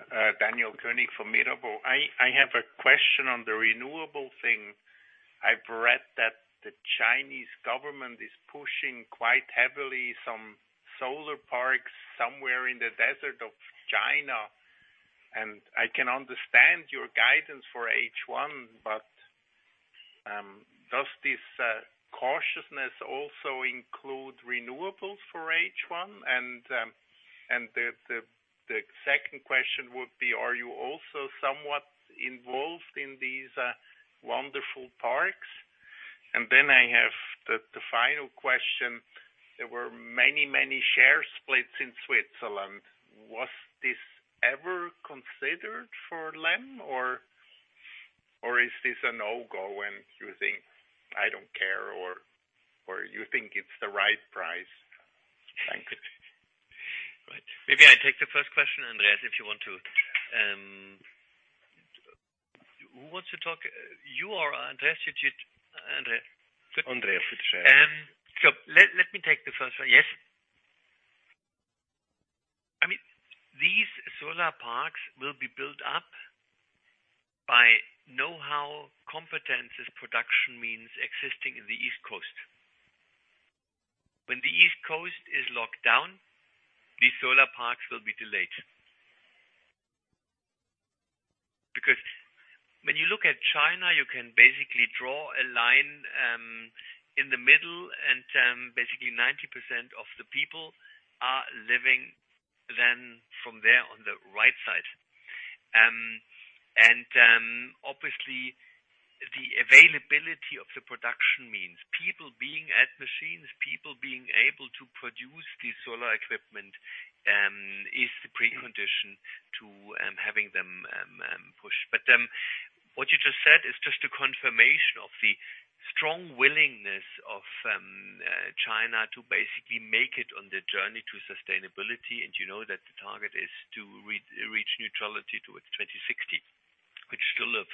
Right. Daniel Koenig from Mirabaud. I have a question on the renewable thing. I've read that the Chinese government is pushing quite heavily some solar parks somewhere in the desert of China. I can understand your guidance for H1, but does this cautiousness also include renewables for H1? The second question would be: Are you also somewhat involved in these wonderful parks? I have the final question. There were many share splits in Switzerland. Was this ever considered for LEM or is this a no-go, and you think, I don't care, or you think it's the right price? Thanks. Right. Maybe I take the first question, Andreas, if you want to. Who wants to talk? You or Andreas. Andreas. Andreas, please share. Let me take the first one. Yes. I mean, these solar parks will be built up by know-how competencies production means existing in the East Coast. When the East Coast is locked down, these solar parks will be delayed. Because when you look at China, you can basically draw a line in the middle, and basically 90% of the people are living then from there on the right side. Obviously, the availability of the production means people being at machines, people being able to produce the solar equipment is the precondition to having them push. What you just said is just a confirmation of the strong willingness of China to basically make it on their journey to sustainability. You know that the target is to reach neutrality towards 2060, which is still a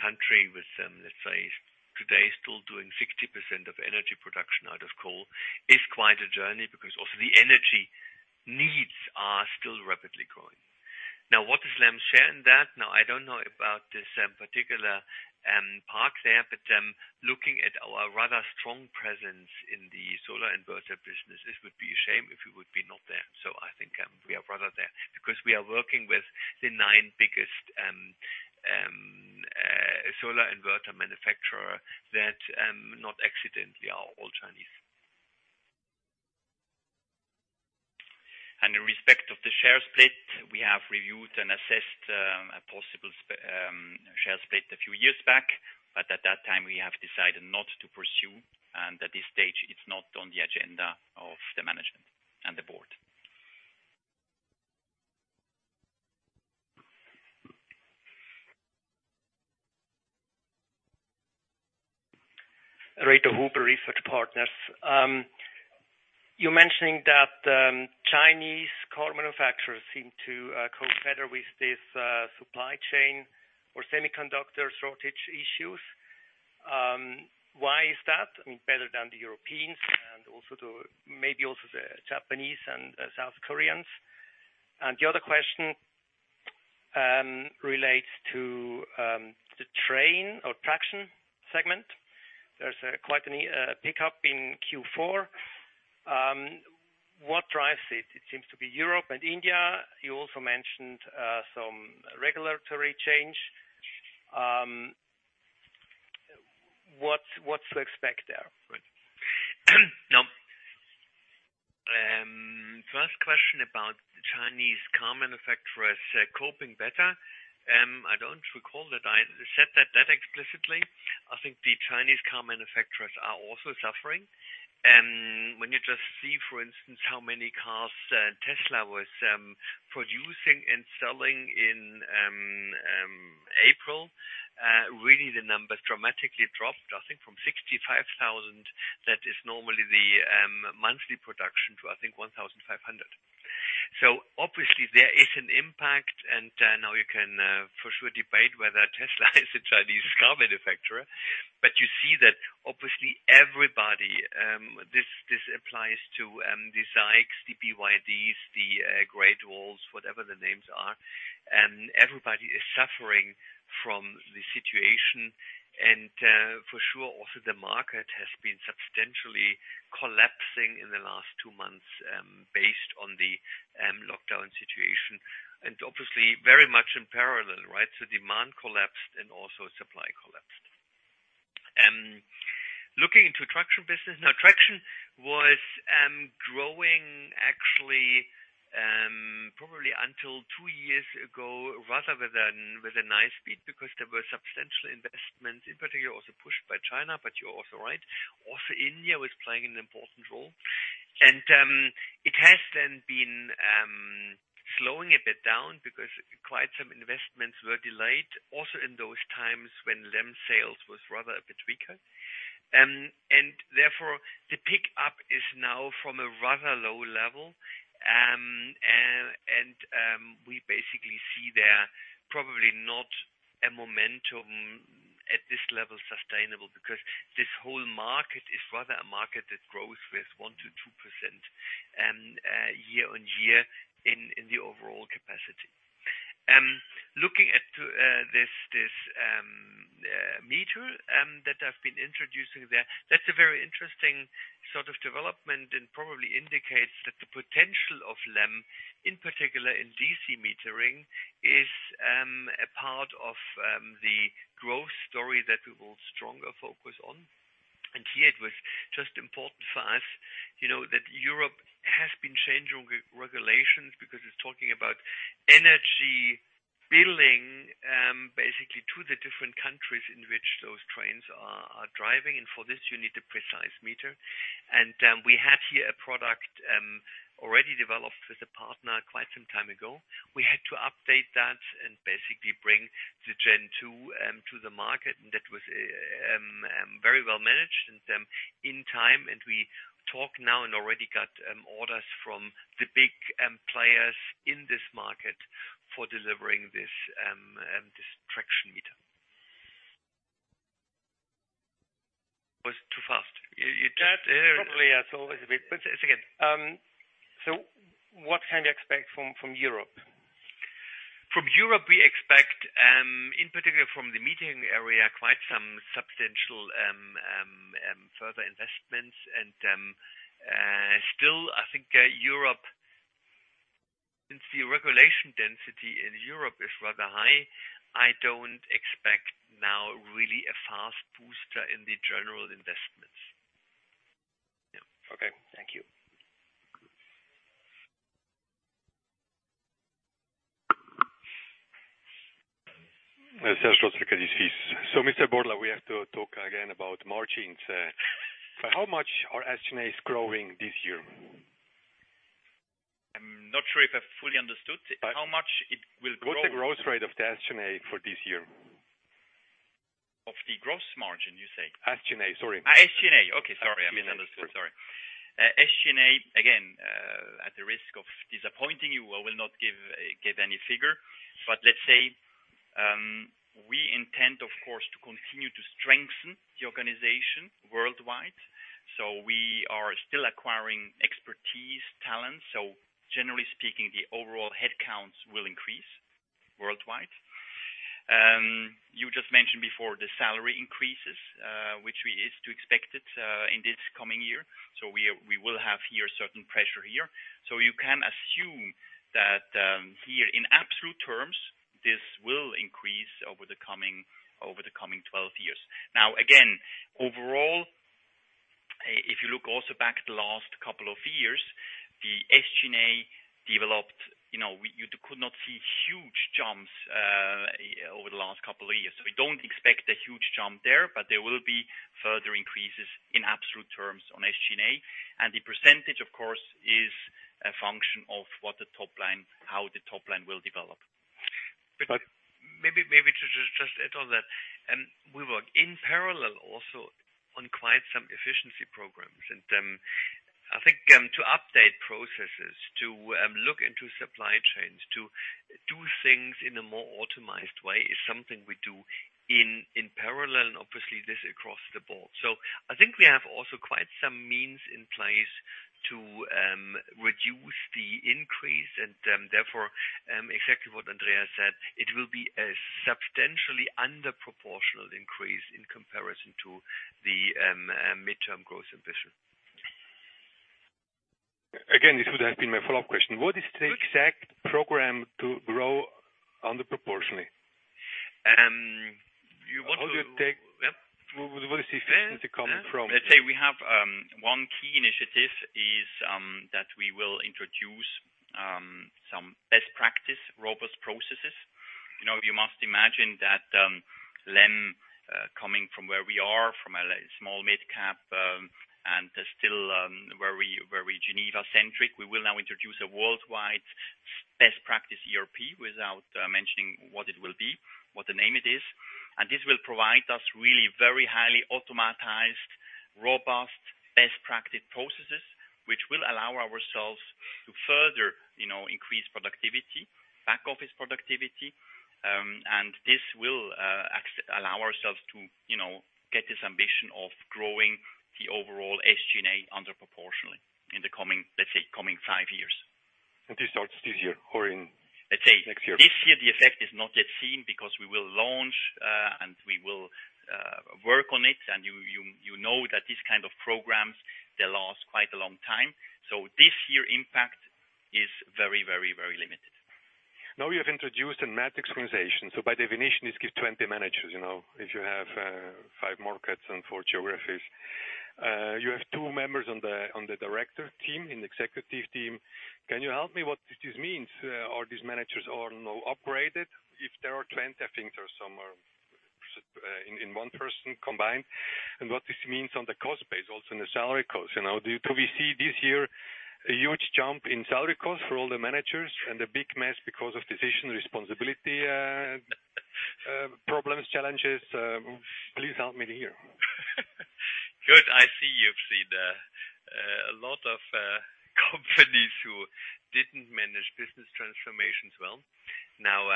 country with, let's say today, still doing 60% of energy production out of coal is quite a journey because also the energy needs are still rapidly growing. Now, what does LEM share in that? Now, I don't know about this particular park there, but looking at our rather strong presence in the solar inverter business, it would be a shame if we would be not there. I think we are rather there because we are working with the nine biggest solar inverter manufacturers that not accidentally are all Chinese. In respect of the share split, we have reviewed and assessed a possible share split a few years back, but at that time we have decided not to pursue, and at this stage it's not on the agenda of the management and the board. Reto Huber, Research Partners AG. You're mentioning that Chinese car manufacturers seem to cope better with this supply chain or semiconductor shortage issues. Why is that better than the Europeans and also maybe the Japanese and South Koreans? The other question relates to the Train or Traction segment. There's quite a pickup in Q4. What drives it? It seems to be Europe and India. You also mentioned some regulatory change. What to expect there? Right. Now, first question about the Chinese car manufacturers coping better. I don't recall that I said that explicitly. I think the Chinese car manufacturers are also suffering. When you just see, for instance, how many cars Tesla was producing and selling in April, really the numbers dramatically dropped, I think, from 65,000, that is normally the monthly production, to, I think, 1,500. Obviously there is an impact. Now you can for sure debate whether Tesla is a Chinese car manufacturer, but you see that obviously everybody, this applies to the Zeekr, the BYD, the Great Wall, whatever the names are, and everybody is suffering from the situation. For sure, also the market has been substantially collapsing in the last two months, based on the lockdown situation, and obviously very much in parallel, right? Demand collapsed and also supply collapsed. Looking into Traction business. Now, Traction was growing actually, probably until two years ago, rather with a nice speed because there were substantial investments, in particular also pushed by China. You're also right. Also India was playing an important role. It has then been slowing a bit down because quite some investments were delayed also in those times when LEM sales was rather a bit weaker. Therefore the pickup is now from a rather low-level. We basically see there probably not a momentum at this level sustainable because this whole market is rather a market that grows with 1%-2% year-over-year in the overall capacity. Looking at this meter that I've been introducing there, that's a very interesting sort of development and probably indicates that the potential of LEM, in particular in DC metering, is a part of the growth story that we will stronger focus on. Here it was just important for us, you know, that Europe has been changing regulations because it's talking about energy billing basically to the different countries in which those trains are driving. For this, you need a precise meter. We had here a product already developed with a partner quite some time ago. We had to update that and basically bring the gen two to the market, and that was very well managed and in time. We talk now and already got orders from the big players in this market for delivering this traction meter. That probably is always a bit. Say it again. What can we expect from Europe? From Europe, we expect, in particular from the metering area, quite some substantial further investments. Still, I think, Europe, since the regulation density in Europe is rather high, I don't expect now really a fast boost in the general investments. Yeah. Okay. Thank you. Andrea Borla, we have to talk again about margins. How much are SG&As growing this year? I'm not sure if I fully understood. How much it will grow? What's the growth rate of the SG&A for this year? Of the gross margin, you say? SG&A, sorry. SG&A. Okay, sorry. I misunderstood. Sorry. SG&A, again, at the risk of disappointing you, I will not give any figure. Let's say, we intend, of course, to continue to strengthen the organization worldwide. We are still acquiring expertise, talent. Generally speaking, the overall headcounts will increase worldwide. You just mentioned before the salary increases, which we is to expect it, in this coming year. We will have here certain pressure here. You can assume that, here in absolute terms, this will increase over the coming 12 years. Now, again, overall, if you look also back at the last couple of years, the SG&A developed, you know, you could not see huge jumps, over the last couple of years. We don't expect a huge jump there, but there will be further increases in absolute terms on SG&A. The percentage, of course, is a function of what the top-line, how the top-line will develop. Maybe to just add on that. We work in parallel also on quite some efficiency programs. I think to update processes, to look into supply chains, to do things in a more optimized way is something we do in parallel, and obviously this across the board. I think we have also quite some means in place to reduce the increase, and therefore exactly what Andreas said, it will be a substantially under proportional increase in comparison to the mid-term growth ambition. This would have been my follow-up question. What is the exact program to grow non-proportionally? You want to? How do you take? Yep. Where does the efficiency come from? Let's say we have one key initiative is that we will introduce some best practice robust processes. You know, you must imagine that LEM, coming from where we are from a small midcap, and still very, very Geneva-centric. We will now introduce a worldwide best practice ERP without mentioning what it will be, what the name it is. And this will provide us really very highly automatized, robust, best practice processes, which will allow ourselves to further, you know, increase productivity, back-office productivity. And this will allow ourselves to, you know, get this ambition of growing the overall SG&A under proportionally in the coming, let's say, five years. This starts this year or in next year? Let's say this year the effect is not yet seen because we will launch, and we will work on it. You know that these kind of programs, they last quite a long time. This year impact is very limited. Now you have introduced a matrix organization. By definition, this gives 20 managers, you know. If you have five markets and four geographies, you have two members on the director team, in the executive team. Can you help me what this means? Are these managers or no upgraded? If there are 20, I think there are some in one person combined. What this means on the cost base, also in the salary cost, you know. Do we see this year a huge jump in salary cost for all the managers and a big mess because of decision responsibility problems, challenges? Please help me here. Good. I see you've seen a lot of companies who didn't manage business transformations well. Now,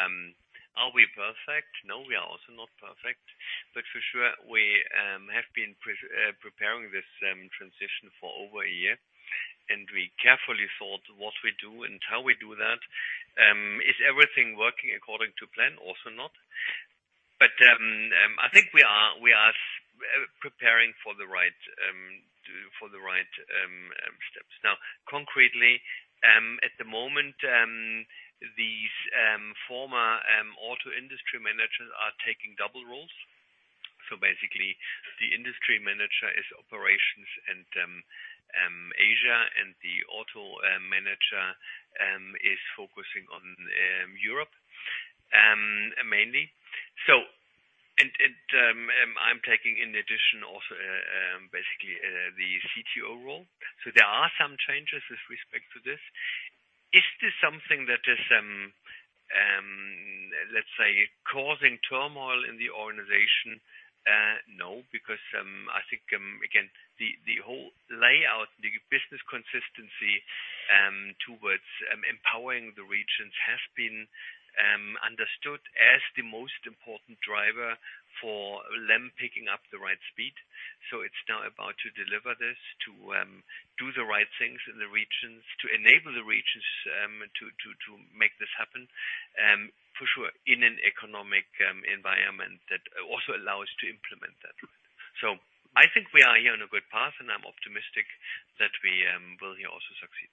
are we perfect? No, we are also not perfect. For sure, we have been preparing this transition for over a year, and we carefully thought what we do and how we do that. Is everything working according to plan? Also not. I think we are preparing for the right steps. Now, concretely, at the moment, these former auto industry managers are taking double roles. Basically, the industry manager is operations and Asia, and the auto manager is focusing on Europe mainly. I'm taking in addition also basically the CTO role. There are some changes with respect to this. Is this something that is, let's say, causing turmoil in the organization? No, because, I think, again, the whole layout, the business consistency, towards, empowering the regions has been, understood as the most important driver for LEM picking up the right speed. It's now about to deliver this to, do the right things in the regions, to enable the regions, to make this happen, for sure, in an economic, environment that also allows to implement that. I think we are here on a good path, and I'm optimistic that we, will here also succeed.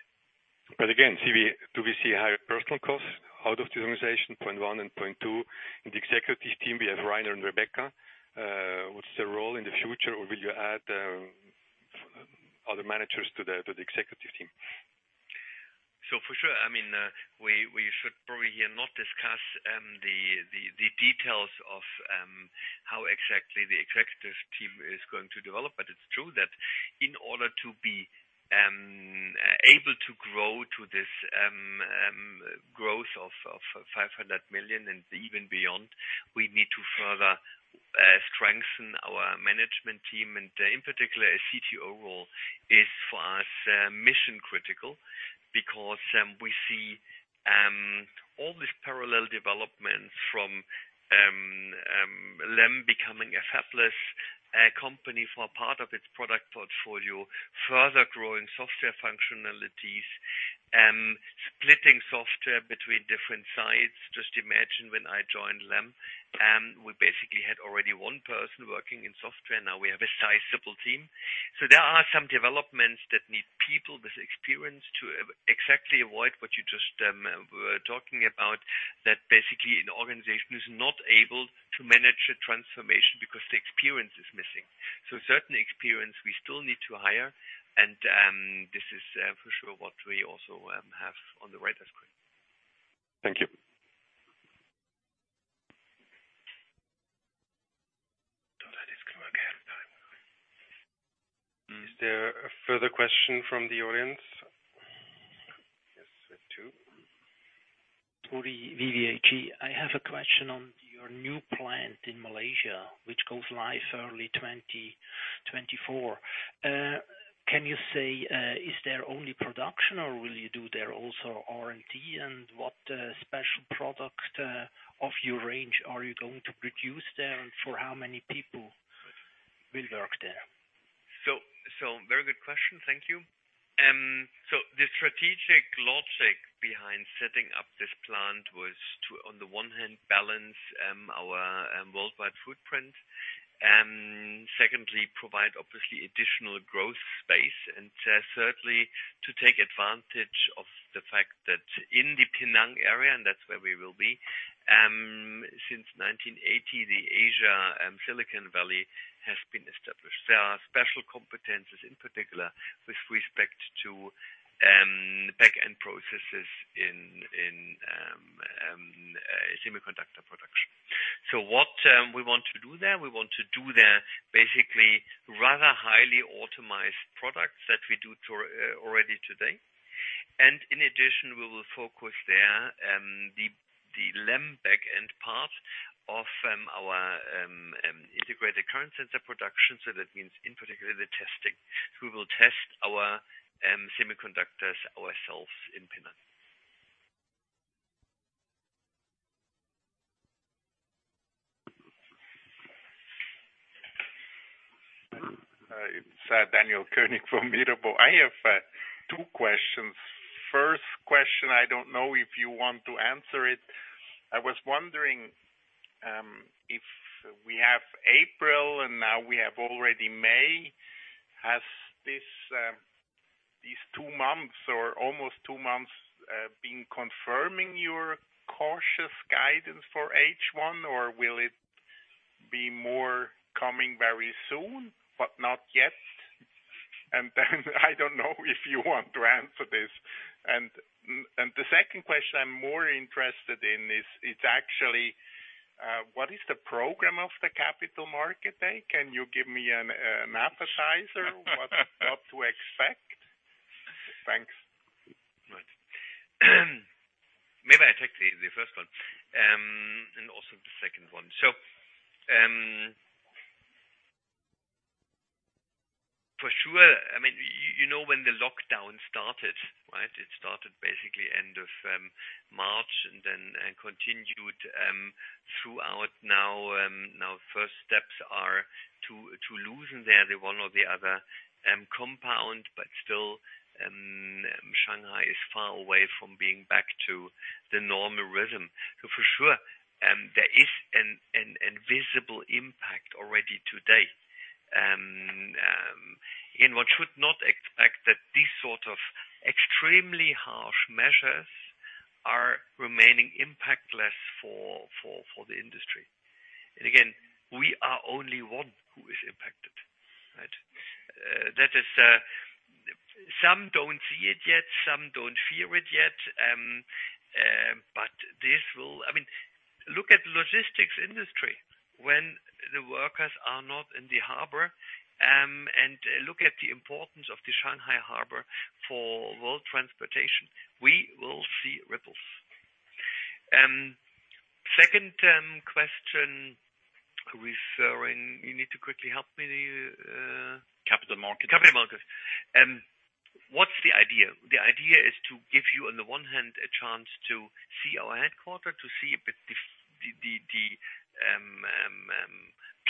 Again, do we see higher personal costs out of the organization, point one and point two? In the executive team, we have Reiner and Rebecca. What's their role in the future, or will you add other managers to the executive team? For sure, I mean, we should probably here not discuss the details of how exactly the executive team is going to develop. It's true that in order to be able to grow to this growth of 500 million and even beyond, we need to further strengthen our management team. In particular, a CTO role is for us mission-critical because we see all these parallel developments from LEM becoming a fabless company for part of its product portfolio, further growing software functionalities, splitting software between different sides. Just imagine when I joined LEM, we basically had already one person working in software. Now we have a sizable team. There are some developments that need people with experience to exactly avoid what you just were talking about, that basically an organization is not able to manage a transformation because the experience is missing. Certain experience we still need to hire, and this is for sure what we also have on the radar screen. Thank you. Is there a further question from the audience? Yes, there's two. I have a question on your new plant in Malaysia, which goes live early 2024. Can you say, is there only production or will you do there also R&D? What special product of your range are you going to produce there, and for how many people will work there? Very good question. Thank you. The strategic logic behind setting up this plant was to, on the one hand, balance our worldwide footprint, secondly, provide obviously additional growth space, and thirdly, to take advantage of the fact that in the Penang area, and that's where we will be, since 1980, the Asian and Silicon Valley has been established. There are special competencies, in particular, with respect to back-end processes in semiconductor production. What we want to do there is basically our highly automatized products that we already do today. In addition, we will focus there the LEM back-end part of our integrated current sensor production. That means, in particular, the testing. We will test our semiconductors ourselves in Penang. It's Daniel König from Mirabaud. I have two questions. First question, I don't know if you want to answer it. I was wondering if we have April and now we have already May, has this these two months or almost two months been confirming your cautious guidance for H1, or will it be more coming very soon, but not yet? Then I don't know if you want to answer this. And the second question I'm more interested in is, it's actually what is the program of the Capital Market Day? Can you give me an appetizer what to expect? Thanks. Right. Maybe I take the first one and also the second one. For sure, I mean, you know, when the lockdown started, right? It started basically end of March and then continued throughout now. First steps are to loosen the one or the other, compound but still Shanghai is far away from being back to the normal rhythm. For sure, there is a visible impact already today. One should not expect that these sort of extremely harsh measures are remaining impactless for the industry. Again, we are only one who is impacted, right? That is, some don't see it yet, some don't feel it yet. I mean, look at logistics industry when the workers are not in the harbor, and look at the importance of the Shanghai Harbor for world transportation. We will see ripples. You need to quickly help me. Capital markets. Capital markets. What's the idea? The idea is to give you, on the one hand, a chance to see our headquarters, to see a bit the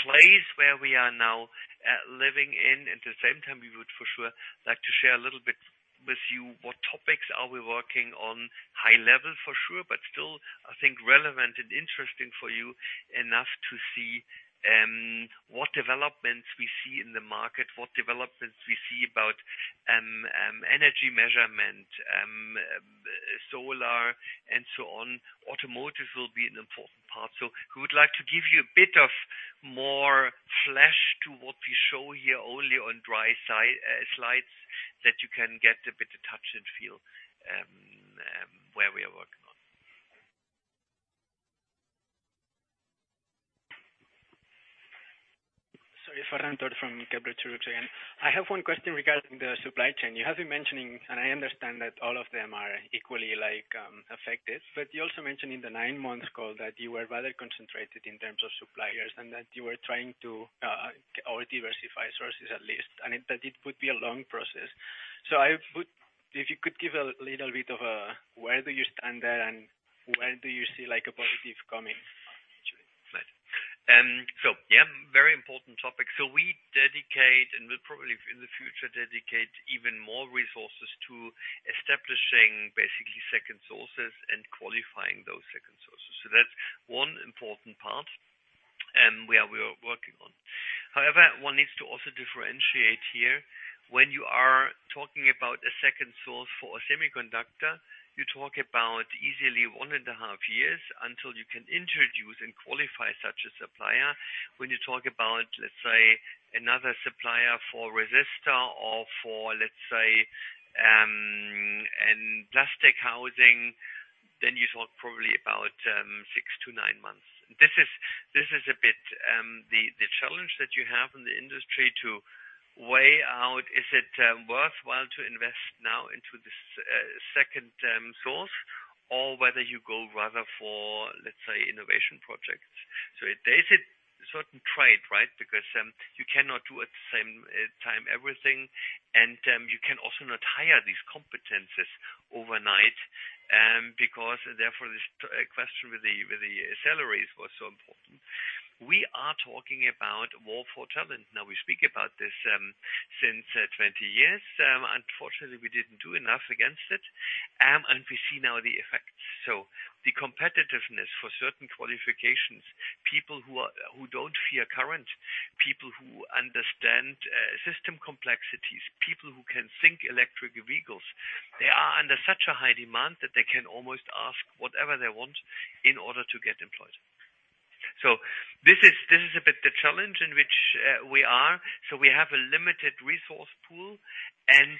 place where we are now living in. At the same time, we would for sure like to share a little bit with you what topics are we working on, high level for sure, but still, I think relevant and interesting for you enough to see what developments we see in the market, what developments we see about energy measurement, solar and so on. Automotive will be an important part. We would like to give you a bit of more flesh to what we show here only on dry slides that you can get a bit of touch and feel where we are working on. Sorry, [Torsten Sauter] from Kepler Cheuvreux. I have one question regarding the supply chain. You have been mentioning, and I understand that all of them are equally affected, but you also mentioned, in the nine-months call that you were very concentrated in terms of suppliers, and that you were trying to diversify sources at least, and it does put it in the long process. So, if you could give a little bit of where do you stand, and where do you see like a positive coming? Yeah, very important topic. We dedicate probably in the future, dedicate even more resources to establishing basically second sources and qualifying those second sources. That's one important part and we are working on. However, one needs to also differentiate here, when you are talking about a second source for a semiconductor, you talk about easily one and a half years until you can introduce and qualify such a supplier. When you talk about, let's say, another supplier for a resistor or for, let's say, a plastic housing, then you talk probably about six to nine months. This is a bit the challenge that you have in the industry to weigh out, is it worthwhile to invest now into the second source or whether you go rather for, let's say innovation projects. So there is a certain trade, right, because you cannot do at the same time everything, and you can also not hire these competences overnight, because therefore the question with the salaries was so important. We are talking about more for talent. Now we speak about this since 20 years. Unfortunately, we didn't do enough against it. And we see now the effects. So the competitiveness for certain qualifications, people wo don't fear current, people who understand system complexities, people who can think electric vehicles, they are under such a high demand that they can almost ask whatever they want in order to get employed. So this is still a bit the challenge in which we are. So we have a limited resource pool and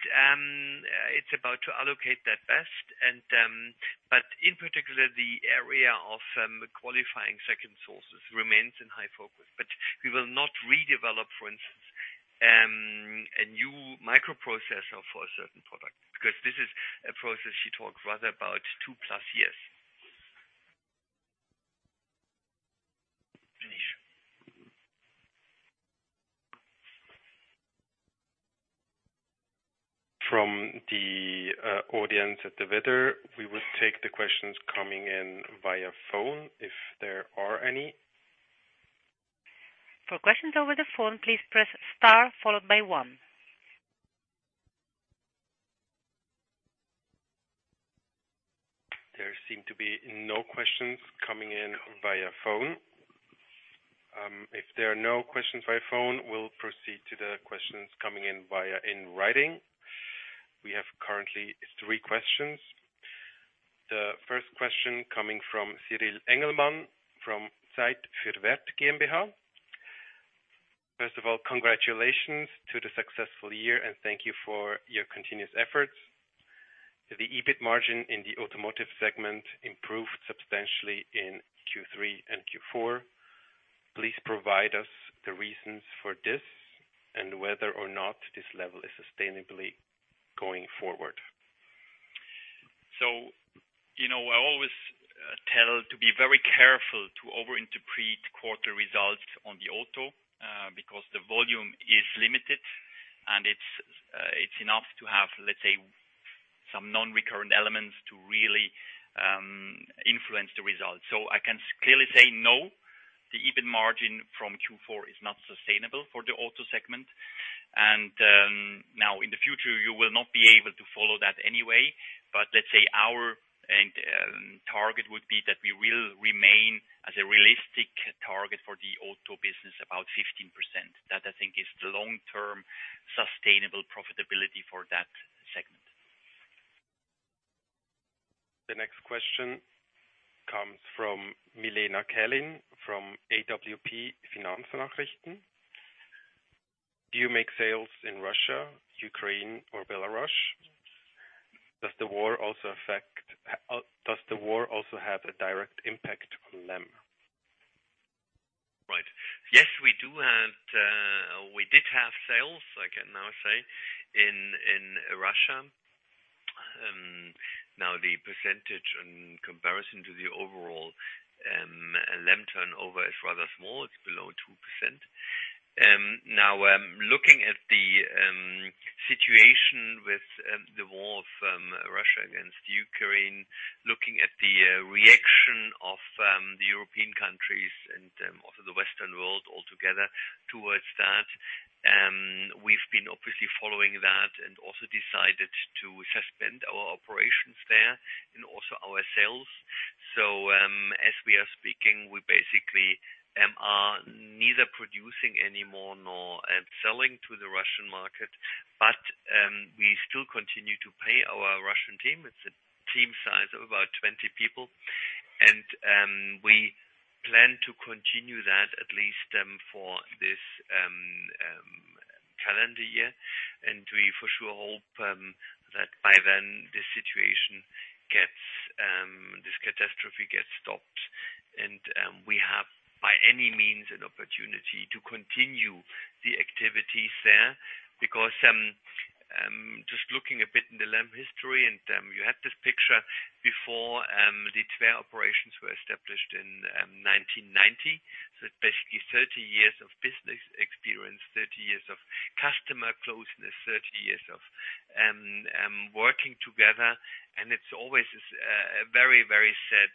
it's about to allocate that best. But in particular, the area of qualifying second sources remains in high focus. But we will not redevelop, for instance, a new microprocessor for a certain product, because this is a process you talk rather about two plus years. From the audience at the [webinar], we will take the questions coming in via phone, if there are any. For questions over the phone, please press star followed by one. There seem to be no questions coming in via phone. If there are no questions via phone, we'll proceed to the questions coming in via in writing. We have currently three questions. The first question coming from Cyril Engelmann from Zeit für Wert GmbH. First of all, congratulations to the successful year, and thank you for your continuous efforts. The EBIT margin in the automotive segment improved substantially in Q3 and Q4. Please provide us the reasons for this and whether or not this level is sustainably going forward. You know, I always tell to be very careful to over interpret quarter results on the auto, because the volume is limited and it's enough to have, let's say, some non-recurrent elements to really. Influence the result. I can clearly say no, the EBIT margin from Q4 is not sustainable for the auto segment. Now in the future, you will not be able to follow that anyway. Let's say our target would be that we will remain as a realistic target for the auto business, about 15%. That, I think, is the long-term sustainable profitability for that segment. The next question comes from Milena Kälin from AWP Finanznachrichten. Do you make sales in Russia, Ukraine or Belarus? Does the war also have a direct impact on LEM? Right. Yes, we did have sales, I can now say, in Russia. Now the percentage in comparison to the overall LEM turnover is rather small. It's below 2%. Now looking at the situation with the war from Russia against Ukraine, looking at the reaction of the European countries and also the Western world altogether towards that. We've been obviously following that and also decided to suspend our operations there and also our sales. As we are speaking, we basically are neither producing any more nor selling to the Russian market. But we still continue to pay our Russian team. It's a team size of about 20 people. We plan to continue that at least for this calendar year. We for sure hope that by then the situation gets this catastrophe stopped. We have, by any means, an opportunity to continue the activities there. Because just looking a bit in the LEM history, and you had this picture before, the Tver operations were established in 1990. It's basically 30 years of business experience, 30 years of customer closeness, 30 years of working together. It's always a very, very sad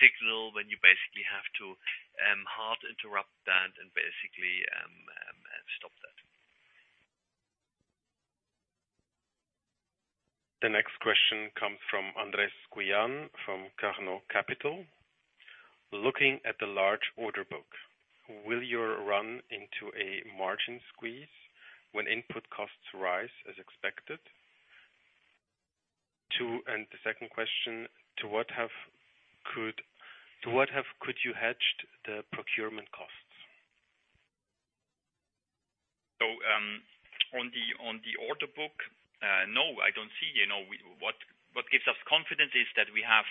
signal when you basically have to hard interrupt that and basically stop that. The next question comes from Andres Gujan, from Carnot Capital. Looking at the large order book, will you run into a margin squeeze when input costs rise as expected? The second question, to what extent have could you hedged the procurement costs? On the order book, no, I don't see. You know, what gives us confidence is that we have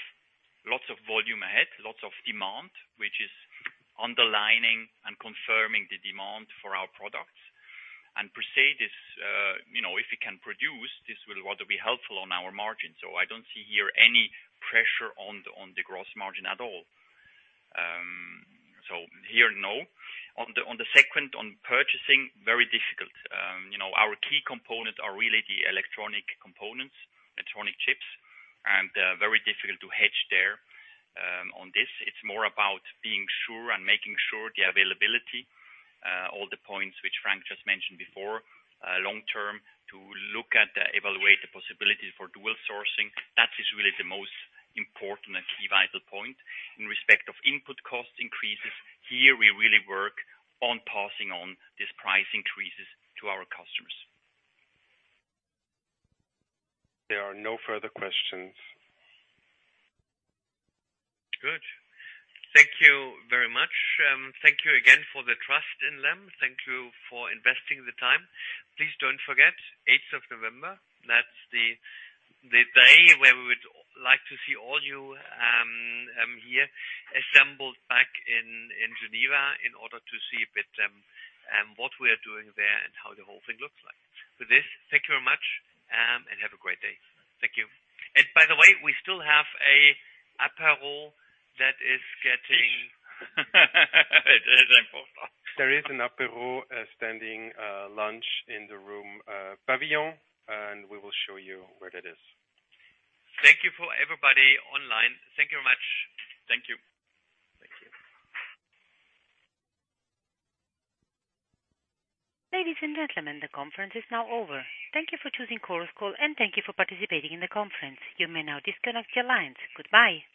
lots of volume ahead, lots of demand, which is underlining and confirming the demand for our products. Per se, this, you know, if we can produce, this will rather be helpful on our margins. I don't see here any pressure on the gross margin at all. Here, no. On the second, on purchasing, very difficult. You know, our key components are really the electronic components, electronic chips, and, very difficult to hedge there. On this it's more about being sure and making sure the availability, all the points which Frank just mentioned before. Long term, to look at, evaluate the possibilities for dual sourcing. That is really the most important and key vital point. In respect of input cost increases, here we really work on passing on these price increases to our customers. There are no further questions. Good. Thank you very much. Thank you again for the trust in LEM. Thank you for investing the time. Please don't forget, 8th of November. That's the day where we would like to see all you here assembled back in Geneva in order to see a bit what we are doing there and how the whole thing looks like. For this, thank you very much, and have a great day. Thank you. By the way, we still have a apéro that is getting. There is an apéro, a standing lunch in the room, Pavillon, and we will show you where that is. Thank you for everybody online. Thank you very much. Thank you. Thank you. Ladies and gentlemen, the conference is now over. Thank you for choosing Chorus Call, and thank you for participating in the conference. You may now disconnect your lines. Goodbye.